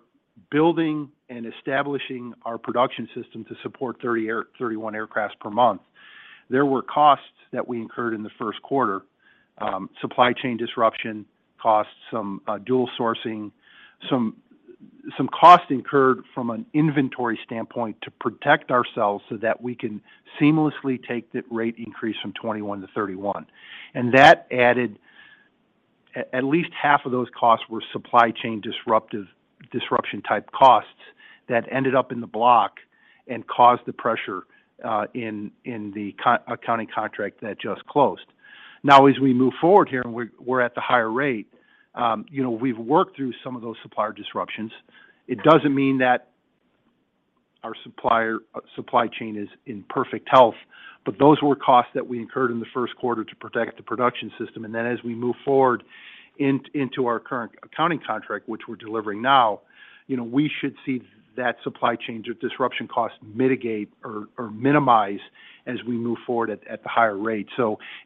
building and establishing our production system to support 31 aircraft per month, there were costs that we incurred in the first quarter. Supply chain disruption costs, some dual sourcing, some costs incurred from an inventory standpoint to protect ourselves so that we can seamlessly take the rate increase from 21 to 31. That added. At least half of those costs were supply chain disruption type costs that ended up in the block and caused the pressure in the cost accounting contract that just closed. Now, as we move forward here, we're at the higher rate, you know, we've worked through some of those supplier disruptions. It doesn't mean that our supplier supply chain is in perfect health, but those were costs that we incurred in the first quarter to protect the production system. Then as we move forward into our current accounting contract, which we're delivering now, you know, we should see that supply chain disruption cost mitigate or minimize as we move forward at the higher rate.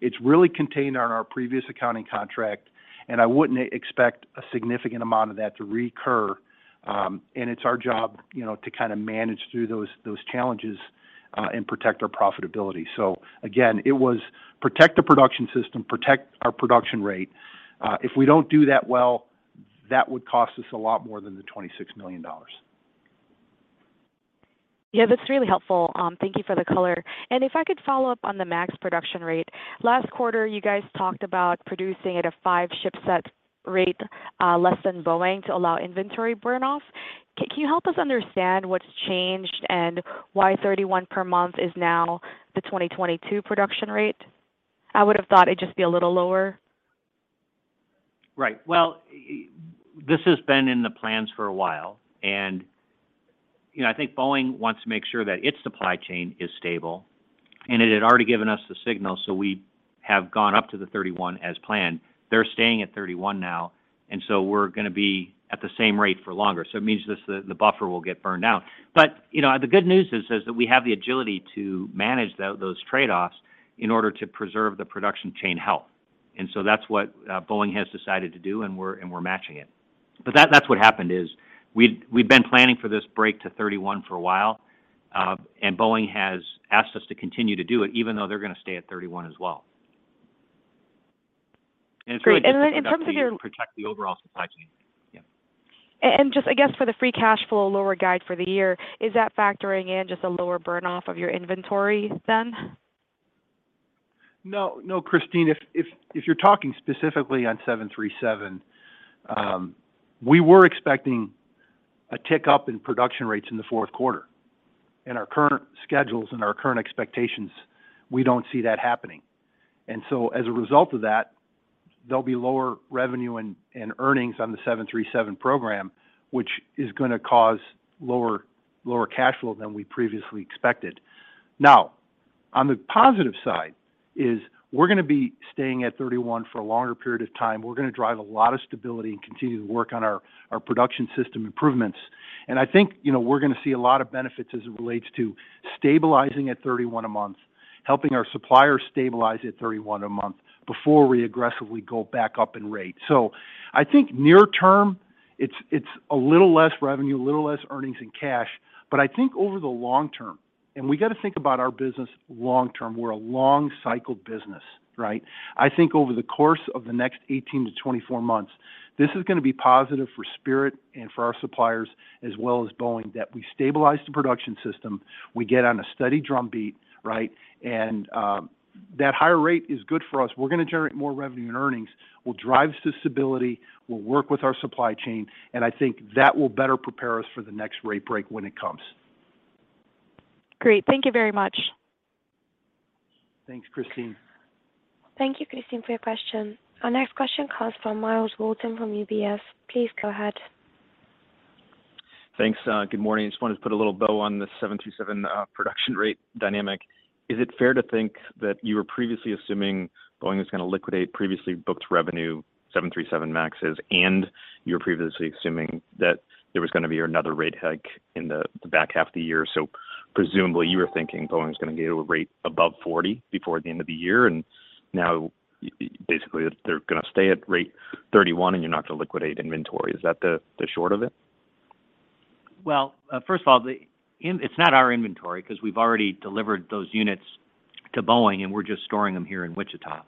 It's really contained on our previous accounting contract, and I wouldn't expect a significant amount of that to recur. It's our job, you know, to kinda manage through those challenges and protect our profitability. It was protect the production system, protect our production rate. If we don't do that well, that would cost us a lot more than the $26 million. Yeah, that's really helpful. Thank you for the color. If I could follow up on the MAX production rate. Last quarter, you guys talked about producing at a five ship set rate, less than Boeing to allow inventory burn off. Can you help us understand what's changed and why 31 per month is now the 2022 production rate? I would have thought it'd just be a little lower. Right. Well, this has been in the plans for a while. You know, I think Boeing wants to make sure that its supply chain is stable. It had already given us the signal, so we have gone up to the 31 as planned. They're staying at 31 now, and we're gonna be at the same rate for longer. It means the buffer will get burned out. You know, the good news is that we have the agility to manage those trade-offs in order to preserve the production chain health. That's what Boeing has decided to do, and we're matching it. That's what happened. We've been planning for this break to 31 for a while, and Boeing has asked us to continue to do it even though they're gonna stay at 31 as well. Great. In terms of your- It's really just an opportunity to protect the overall supply chain. Yeah. Just, I guess, for the free cash flow lower guide for the year, is that factoring in just a lower burn off of your inventory then? No, Kristine, if you're talking specifically on 737, we were expecting a tick up in production rates in the fourth quarter. In our current schedules and our current expectations, we don't see that happening. As a result of that, there'll be lower revenue and earnings on the 737 program, which is gonna cause lower cash flow than we previously expected. Now, on the positive side, we're gonna be staying at 31 for a longer period of time. We're gonna drive a lot of stability and continue to work on our production system improvements. I think, you know, we're gonna see a lot of benefits as it relates to stabilizing at 31 a month, helping our suppliers stabilize at 31 a month before we aggressively go back up in rate. I think near term it's a little less revenue, a little less earnings and cash. I think over the long term, and we got to think about our business long term, we're a long cycle business, right? I think over the course of the next 18-24 months, this is going to be positive for Spirit and for our suppliers as well as Boeing, that we stabilize the production system, we get on a steady drumbeat, right? That higher rate is good for us. We're going to generate more revenue and earnings. We'll drive stability. We'll work with our supply chain. I think that will better prepare us for the next rate break when it comes. Great. Thank you very much. Thanks, Kristine. Thank you, Kristine, for your question. Our next question comes from Myles Walton from UBS. Please go ahead. Thanks. Good morning. Just wanted to put a little bow on the 737 production rate dynamic. Is it fair to think that you were previously assuming Boeing was going to liquidate previously booked revenue 737 MAXes, and you were previously assuming that there was going to be another rate hike in the back half of the year? Presumably, you were thinking Boeing was going to get a rate above 40 before the end of the year, and now basically they're going to stay at rate 31 and you're not going to liquidate inventory. Is that the short of it? Well, first of all, it's not our inventory because we've already delivered those units to Boeing, and we're just storing them here in Wichita.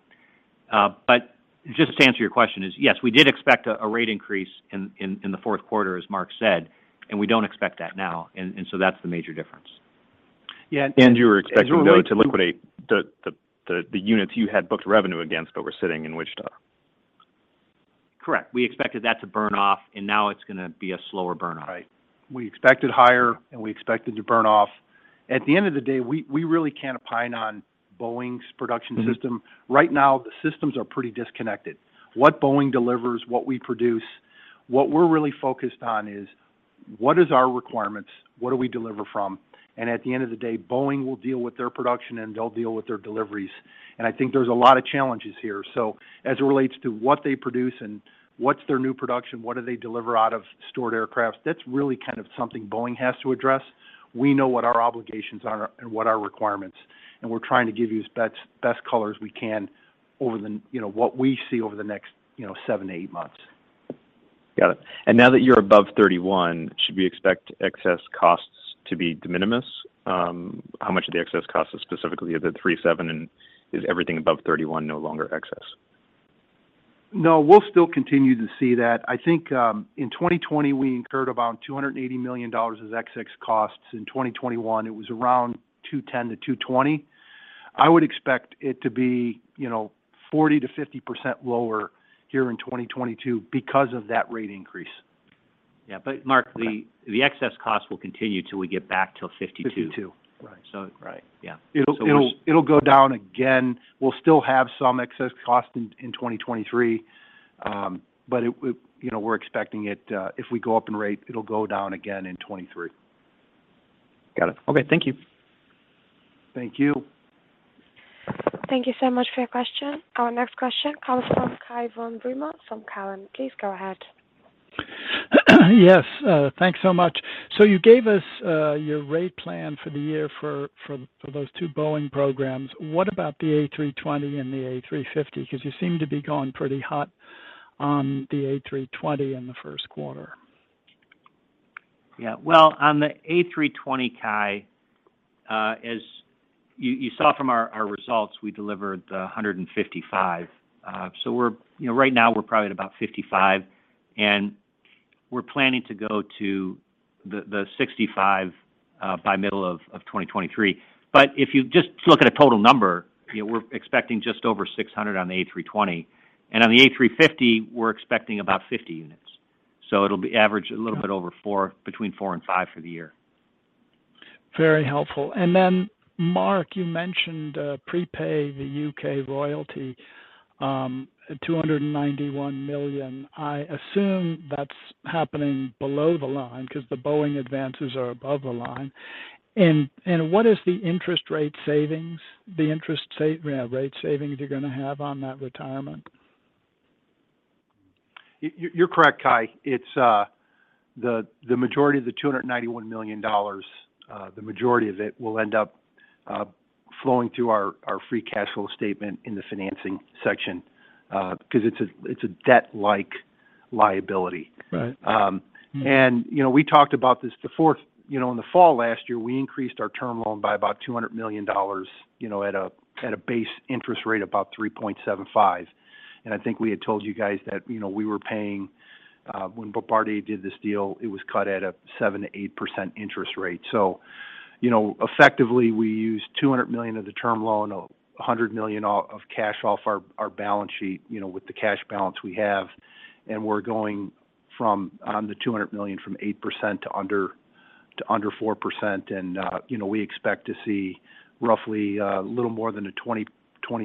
But just to answer your question is, yes, we did expect a rate increase in the fourth quarter, as Mark said, and we don't expect that now. That's the major difference. Yeah. You were expecting, though, to liquidate the units you had booked revenue against that were sitting in Wichita. Correct. We expected that to burn off, and now it's going to be a slower burn off. Right. We expected higher, and we expected to burn off. At the end of the day, we really can't opine on Boeing's production system. Mm-hmm. Right now, the systems are pretty disconnected. What Boeing delivers, what we produce, what we're really focused on is what is our requirements, what do we deliver from? At the end of the day, Boeing will deal with their production, and they'll deal with their deliveries. I think there's a lot of challenges here. As it relates to what they produce and what's their new production, what do they deliver out of stored aircraft, that's really kind of something Boeing has to address. We know what our obligations are and what our requirements, and we're trying to give you as best color as we can over the, you know, what we see over the next, you know, 7, 8 months. Got it. Now that you're above 31, should we expect excess costs to be de minimis? How much of the excess cost is specifically of the 737, and is everything above 31 no longer excess? No, we'll still continue to see that. I think, in 2020 we incurred around $280 million as excess costs. In 2021, it was around $210-$220. I would expect it to be, you know, 40%-50% lower here in 2022 because of that rate increase. Yeah. Mark- Okay. The excess cost will continue till we get back to 52. 52. Right. So. Right. Yeah. It'll go down again. We'll still have some excess cost in 2023. You know, we're expecting it, if we go up in rate, it'll go down again in 2023. Got it. Okay. Thank you. Thank you. Thank you so much for your question. Our next question comes from Cai von Rumohr from Cowen. Please go ahead. Yes. Thanks so much. You gave us your rate plan for the year for those two Boeing programs. What about the A320 and the A350? Because you seem to be going pretty hot on the A320 in the first quarter. Yeah. Well, on the A320, Cai, as you saw from our results, we delivered 155. So we're, you know, right now we're probably at about 55, and we're planning to go to the 65 by middle of 2023. But if you just look at a total number, you know, we're expecting just over 600 on the A320. And on the A350, we're expecting about 50 units. So it'll be average a little bit over four, between four and five for the year. Very helpful. Mark, you mentioned prepay the U.K. royalty at $291 million. I assume that's happening below the line because the Boeing advances are above the line. What is the interest rate savings you're gonna have on that retirement? You're correct, Cai. It's the majority of the $291 million that will end up flowing through our free cash flow statement in the financing section because it's a debt-like liability. Right. You know, we talked about this before. You know, in the fall last year, we increased our term loan by about $200 million, you know, at a base interest rate about 3.75%. I think we had told you guys that, you know, we were paying when Bombardier did this deal, it was cut at a 7%-8% interest rate. You know, effectively, we used $200 million of the term loan, $100 million of cash off our balance sheet, you know, with the cash balance we have, and we're going from on the $200 million from 8% to under 4%. You know, we expect to see roughly a little more than a $20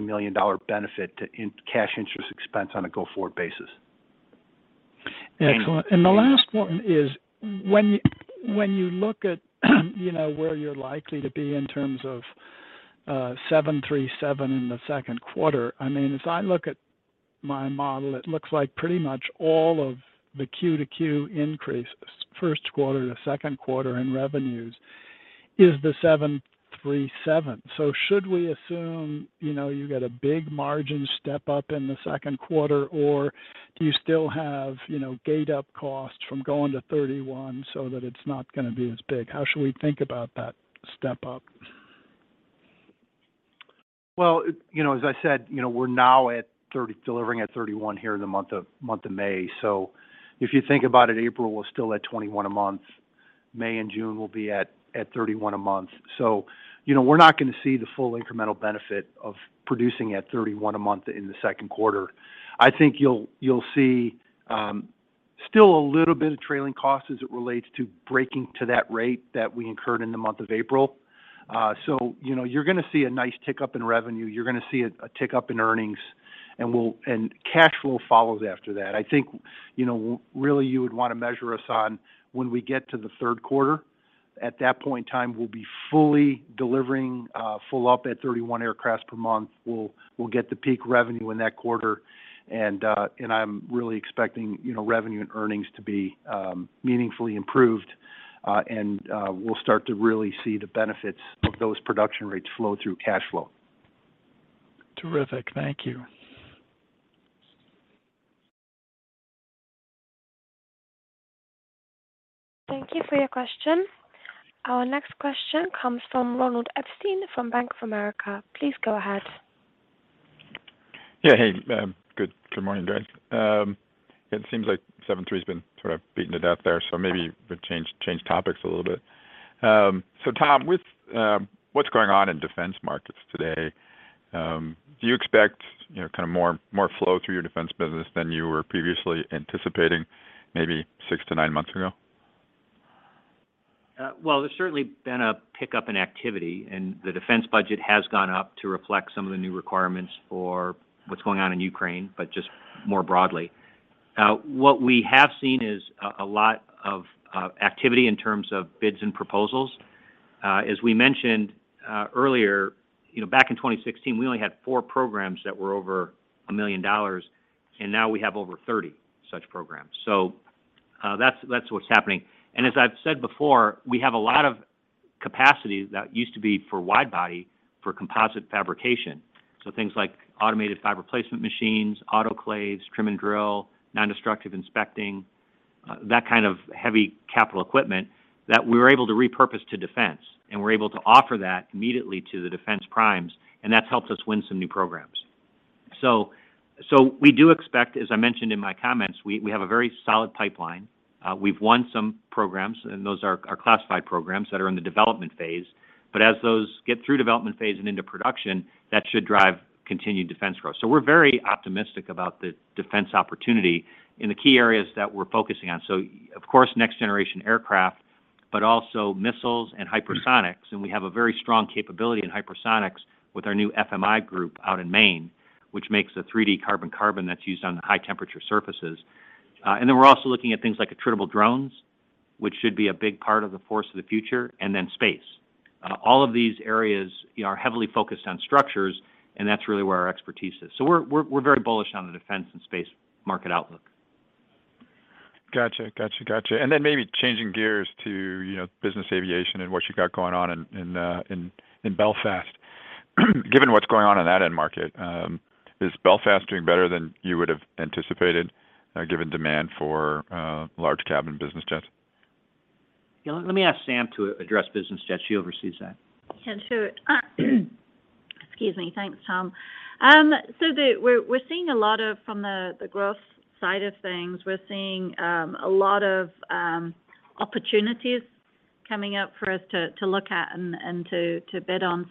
million benefit to in-cash interest expense on a go-forward basis. Excellent. The last one is when you look at, you know, where you're likely to be in terms of 737 in the second quarter. I mean, as I look at my model, it looks like pretty much all of the QoQ increase, first quarter to second quarter in revenues. Is the 737? Should we assume, you know, you get a big margin step up in the second quarter, or do you still have, you know, rate up costs from going to 31 so that it's not gonna be as big? How should we think about that step up? Well, you know, as I said, you know, we're now at 30, delivering at 31 here in the month of May. If you think about it, April was still at 21 a month. May and June will be at 31 a month. You know, we're not gonna see the full incremental benefit of producing at 31 a month in the second quarter. I think you'll see still a little bit of trailing costs as it relates to breaking to that rate that we incurred in the month of April. You know, you're gonna see a nice tick up in revenue. You're gonna see a tick up in earnings, and cash flow follows after that. I think, you know, really you would wanna measure us on when we get to the third quarter. At that point in time, we'll be fully delivering full up at 31 aircraft per month. We'll get the peak revenue in that quarter and I'm really expecting, you know, revenue and earnings to be meaningfully improved and we'll start to really see the benefits of those production rates flow through cash flow. Terrific. Thank you. Thank you for your question. Our next question comes from Ronald Epstein from Bank of America. Please go ahead. Yeah, hey. Good morning, guys. It seems like 737's been sort of beaten to death there, so maybe we change topics a little bit. Tom, with what's going on in defense markets today, do you expect, you know, kind of more flow through your defense business than you were previously anticipating maybe six to nine months ago? There's certainly been a pickup in activity, and the defense budget has gone up to reflect some of the new requirements for what's going on in Ukraine, but just more broadly. What we have seen is a lot of activity in terms of bids and proposals. As we mentioned earlier, you know, back in 2016, we only had four programs that were over $1 million, and now we have over 30 such programs. That's what's happening. As I've said before, we have a lot of capacity that used to be for wide body for composite fabrication. Things like automated fiber placement machines, autoclaves, trim and drill, nondestructive inspection, that kind of heavy capital equipment that we're able to repurpose to defense, and we're able to offer that immediately to the defense primes, and that's helped us win some new programs. We do expect, as I mentioned in my comments, we have a very solid pipeline. We've won some programs, and those are classified programs that are in the development phase. As those get through development phase and into production, that should drive continued defense growth. We're very optimistic about the defense opportunity in the key areas that we're focusing on. Of course, next generation aircraft, but also missiles and hypersonics, and we have a very strong capability in hypersonics with our new FMI group out in Maine, which makes a 3D carbon-carbon that's used on high temperature surfaces. We're also looking at things like attritable drones, which should be a big part of the force of the future, and then space. All of these areas are heavily focused on structures, and that's really where our expertise is. We're very bullish on the defense and space market outlook. Gotcha. Maybe changing gears to, you know, business aviation and what you got going on in Belfast. Given what's going on in that end market, is Belfast doing better than you would have anticipated, given demand for large cabin business jets? Yeah. Let me ask Sam to address business jets. She oversees that. Can do. Excuse me. Thanks, Tom. We're seeing a lot from the growth side of things. We're seeing a lot of opportunities coming up for us to look at and to bid on.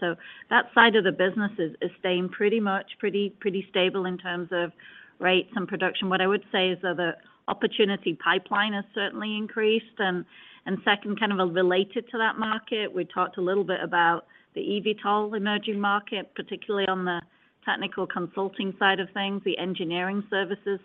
That side of the business is staying pretty much pretty stable in terms of rates and production. What I would say is that the opportunity pipeline has certainly increased. Second, kind of related to that market, we talked a little bit about the eVTOL emerging market, particularly on the technical consulting side of things, the engineering services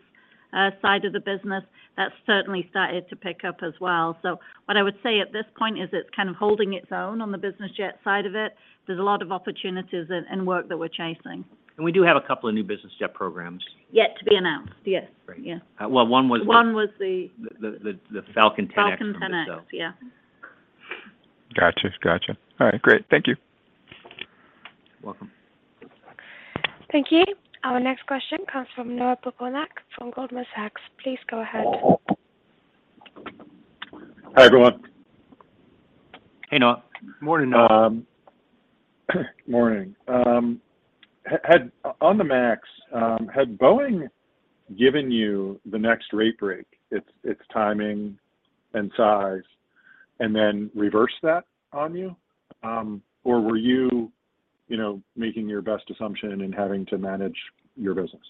side of the business. That's certainly started to pick up as well. What I would say at this point is it's kind of holding its own on the business jet side of it. There's a lot of opportunities and work that we're chasing. We do have a couple of new business jet programs. Yet to be announced. Yes. Great. Yeah. Well, one was. One was the- The Falcon 10X. Falcon 10X. Yeah. Gotcha. All right. Great. Thank you. Welcome. Thank you. Our next question comes from Noah Poponak from Goldman Sachs. Please go ahead. Hi, everyone. Hey, Noah. Morning, Noah. Morning. Had Boeing given you the next rate break on the Max, its timing and size, and then reversed that on you? Were you know, making your best assumption and having to manage your business?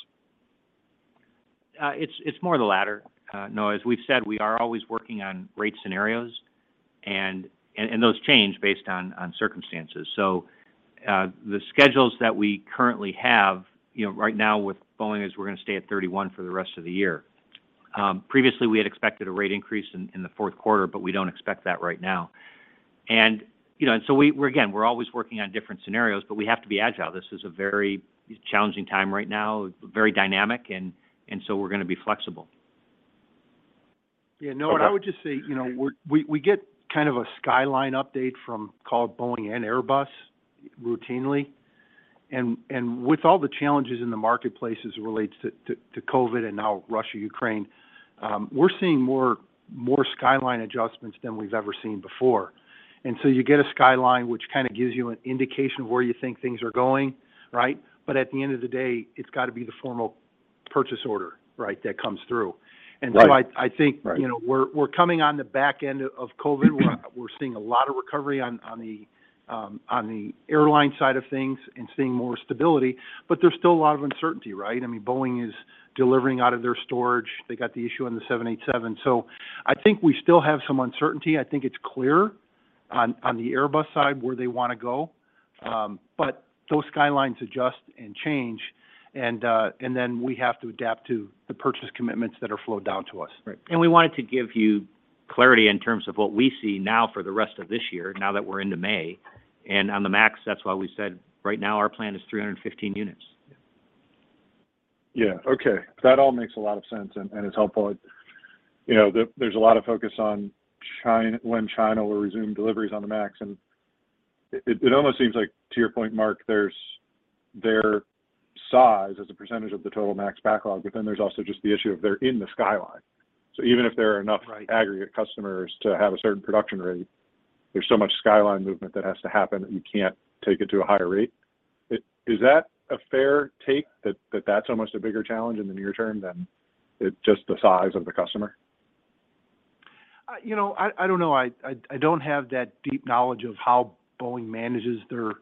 It's more the latter, Noah. As we've said, we are always working on rate scenarios, and those change based on circumstances. The schedules that we currently have, you know, right now with Boeing is we're gonna stay at 31 for the rest of the year. Previously, we had expected a rate increase in the fourth quarter, but we don't expect that right now. You know, we're again always working on different scenarios, but we have to be agile. This is a very challenging time right now, very dynamic, and so we're gonna be flexible. Yeah, no, I would just say, you know, we get kind of a skyline update from Boeing and Airbus routinely. With all the challenges in the marketplace as it relates to COVID and now Russia, Ukraine, we're seeing more skyline adjustments than we've ever seen before. You get a skyline which kinda gives you an indication of where you think things are going, right? At the end of the day, it's gotta be the formal purchase order, right, that comes through. Right. And so I, I think- Right You know, we're coming on the back end of COVID. We're seeing a lot of recovery on the airline side of things and seeing more stability, but there's still a lot of uncertainty, right? I mean, Boeing is delivering out of their storage. They got the issue on the 787. I think we still have some uncertainty. I think it's clearer on the Airbus side where they wanna go. But those supply lines adjust and change, and then we have to adapt to the purchase commitments that are flowed down to us. Right. We wanted to give you clarity in terms of what we see now for the rest of this year, now that we're into May. On the Max, that's why we said right now our plan is 315 units. Yeah. Yeah. Okay. That all makes a lot of sense, and it's helpful. You know, there's a lot of focus on China, when China will resume deliveries on the MAX. It almost seems like, to your point, Mark, there's their size as a percentage of the total MAX backlog, but then there's also just the issue of they're in the pipeline. Even if there are enough Right... aggregate customers to have a certain production rate, there's so much supply chain movement that has to happen that you can't take it to a higher rate. Is that a fair take that that's almost a bigger challenge in the near term than just the size of the customer? You know, I don't know. I don't have that deep knowledge of how Boeing manages their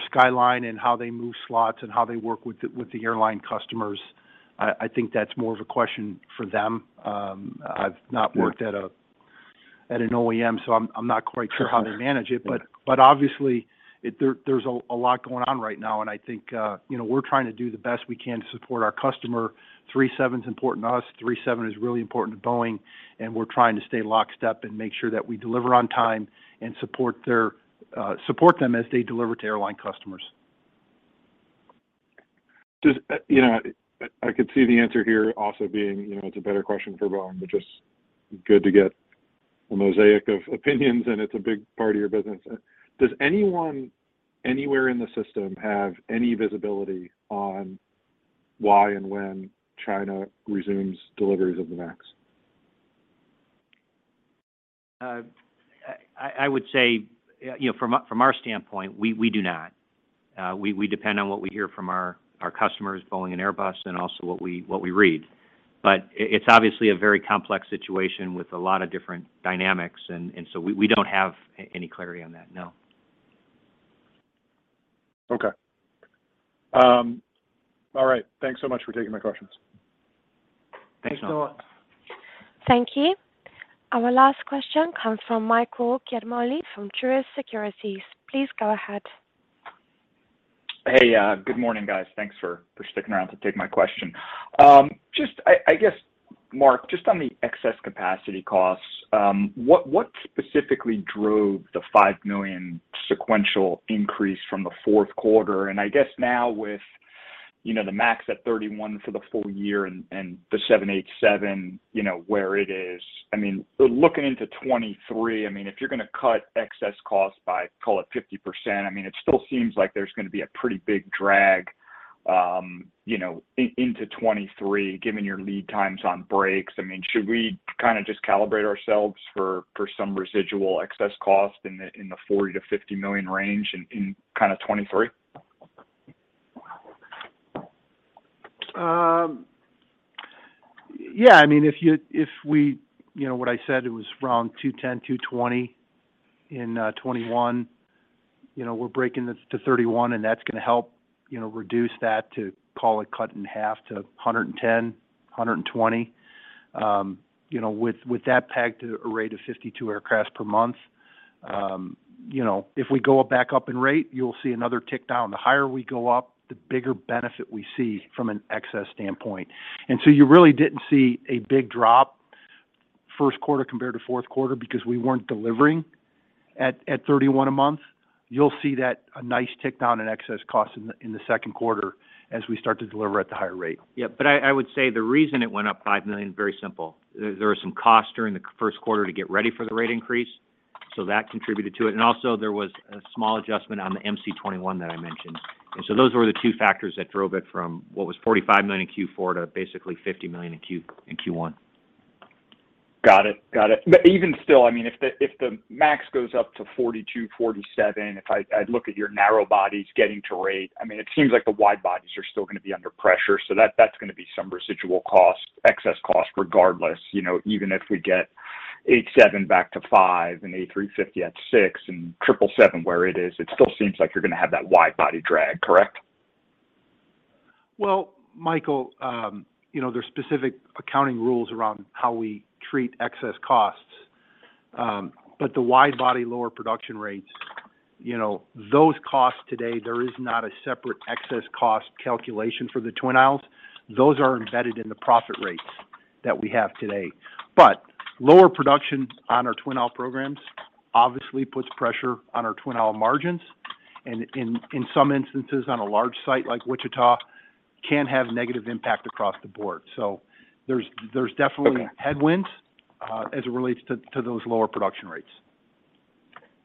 supply chain and how they move slots and how they work with the airline customers. I think that's more of a question for them. Yeah I've not worked at an OEM, so I'm not quite sure how they manage it. Sure. Obviously there's a lot going on right now, and I think, you know, we're trying to do the best we can to support our customer. 737's important to us, 737 is really important to Boeing, and we're trying to stay lockstep and make sure that we deliver on time and support them as they deliver to airline customers. You know, I can see the answer here also being, you know, it's a better question for Boeing, but just good to get a mosaic of opinions, and it's a big part of your business. Does anyone anywhere in the system have any visibility on why and when China resumes deliveries of the MAX? I would say, you know, from our standpoint, we do not. We depend on what we hear from our customers, Boeing and Airbus, and also what we read. But it's obviously a very complex situation with a lot of different dynamics and so we don't have any clarity on that, no. Okay. All right. Thanks so much for taking my questions. Thanks, Noah. Thanks, Noah. Thank you. Our last question comes from Michael Ciarmoli from Truist Securities. Please go ahead. Hey. Yeah, good morning, guys. Thanks for sticking around to take my question. Just, I guess, Mark, just on the excess capacity costs, what specifically drove the $5 million sequential increase from the fourth quarter? I guess now with, you know, the MAX at 31 for the full year and the 787, you know, where it is, I mean, looking into 2023, I mean, if you're gonna cut excess costs by, call it 50%, I mean, it still seems like there's gonna be a pretty big drag, you know, into 2023, given your lead times on brakes. I mean, should we kinda just calibrate ourselves for some residual excess cost in the $40 million-$50 million range in kinda 2023? Yeah. I mean. You know what I said, it was around $210-$220 in 2021. You know, we're bringing this to 31, and that's gonna help, you know, reduce that to, call it, cut in half to $110-$120. You know, with that pegged to a rate of 52 aircraft per month, you know, if we go back up in rate, you'll see another tick-down. The higher we go up, the bigger benefit we see from an excess standpoint. You really didn't see a big drop first quarter compared to fourth quarter because we weren't delivering at 31 a month. You'll see that, a nice tick-down in excess cost in the second quarter as we start to deliver at the higher rate. Yeah. I would say the reason it went up $5 million, very simple. There were some costs during the first quarter to get ready for the rate increase, so that contributed to it. Also, there was a small adjustment on the MC-21 that I mentioned. Those were the two factors that drove it from what was $45 million Q4 to basically $50 million in Q1. Got it. Even still, I mean, if the 737 MAX goes up to 42-47, if I look at your narrow bodies getting to rate, I mean, it seems like the wide bodies are still gonna be under pressure. That, that's gonna be some residual cost, excess cost regardless, you know. Even if we get 787 back to five and A350 at six and 777 where it is, it still seems like you're gonna have that wide body drag, correct? Well, Michael, you know, there's specific accounting rules around how we treat excess costs. The wide body lower production rates, you know, those costs today, there is not a separate excess cost calculation for the Twin Aisle. Those are embedded in the profit rates that we have today. Lower production on our Twin Aisle programs obviously puts pressure on our Twin Aisle margins, and in some instances, on a large site like Wichita, can have negative impact across the board. There's definitely- Okay... headwinds, as it relates to those lower production rates.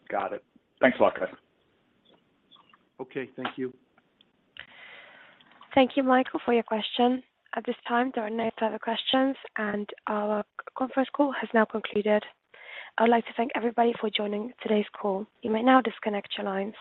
Got it. Thanks a lot, guys. Okay, thank you. Thank you, Michael, for your question. At this time, there are no further questions, and our conference call has now concluded. I would like to thank everybody for joining today's call. You may now disconnect your lines.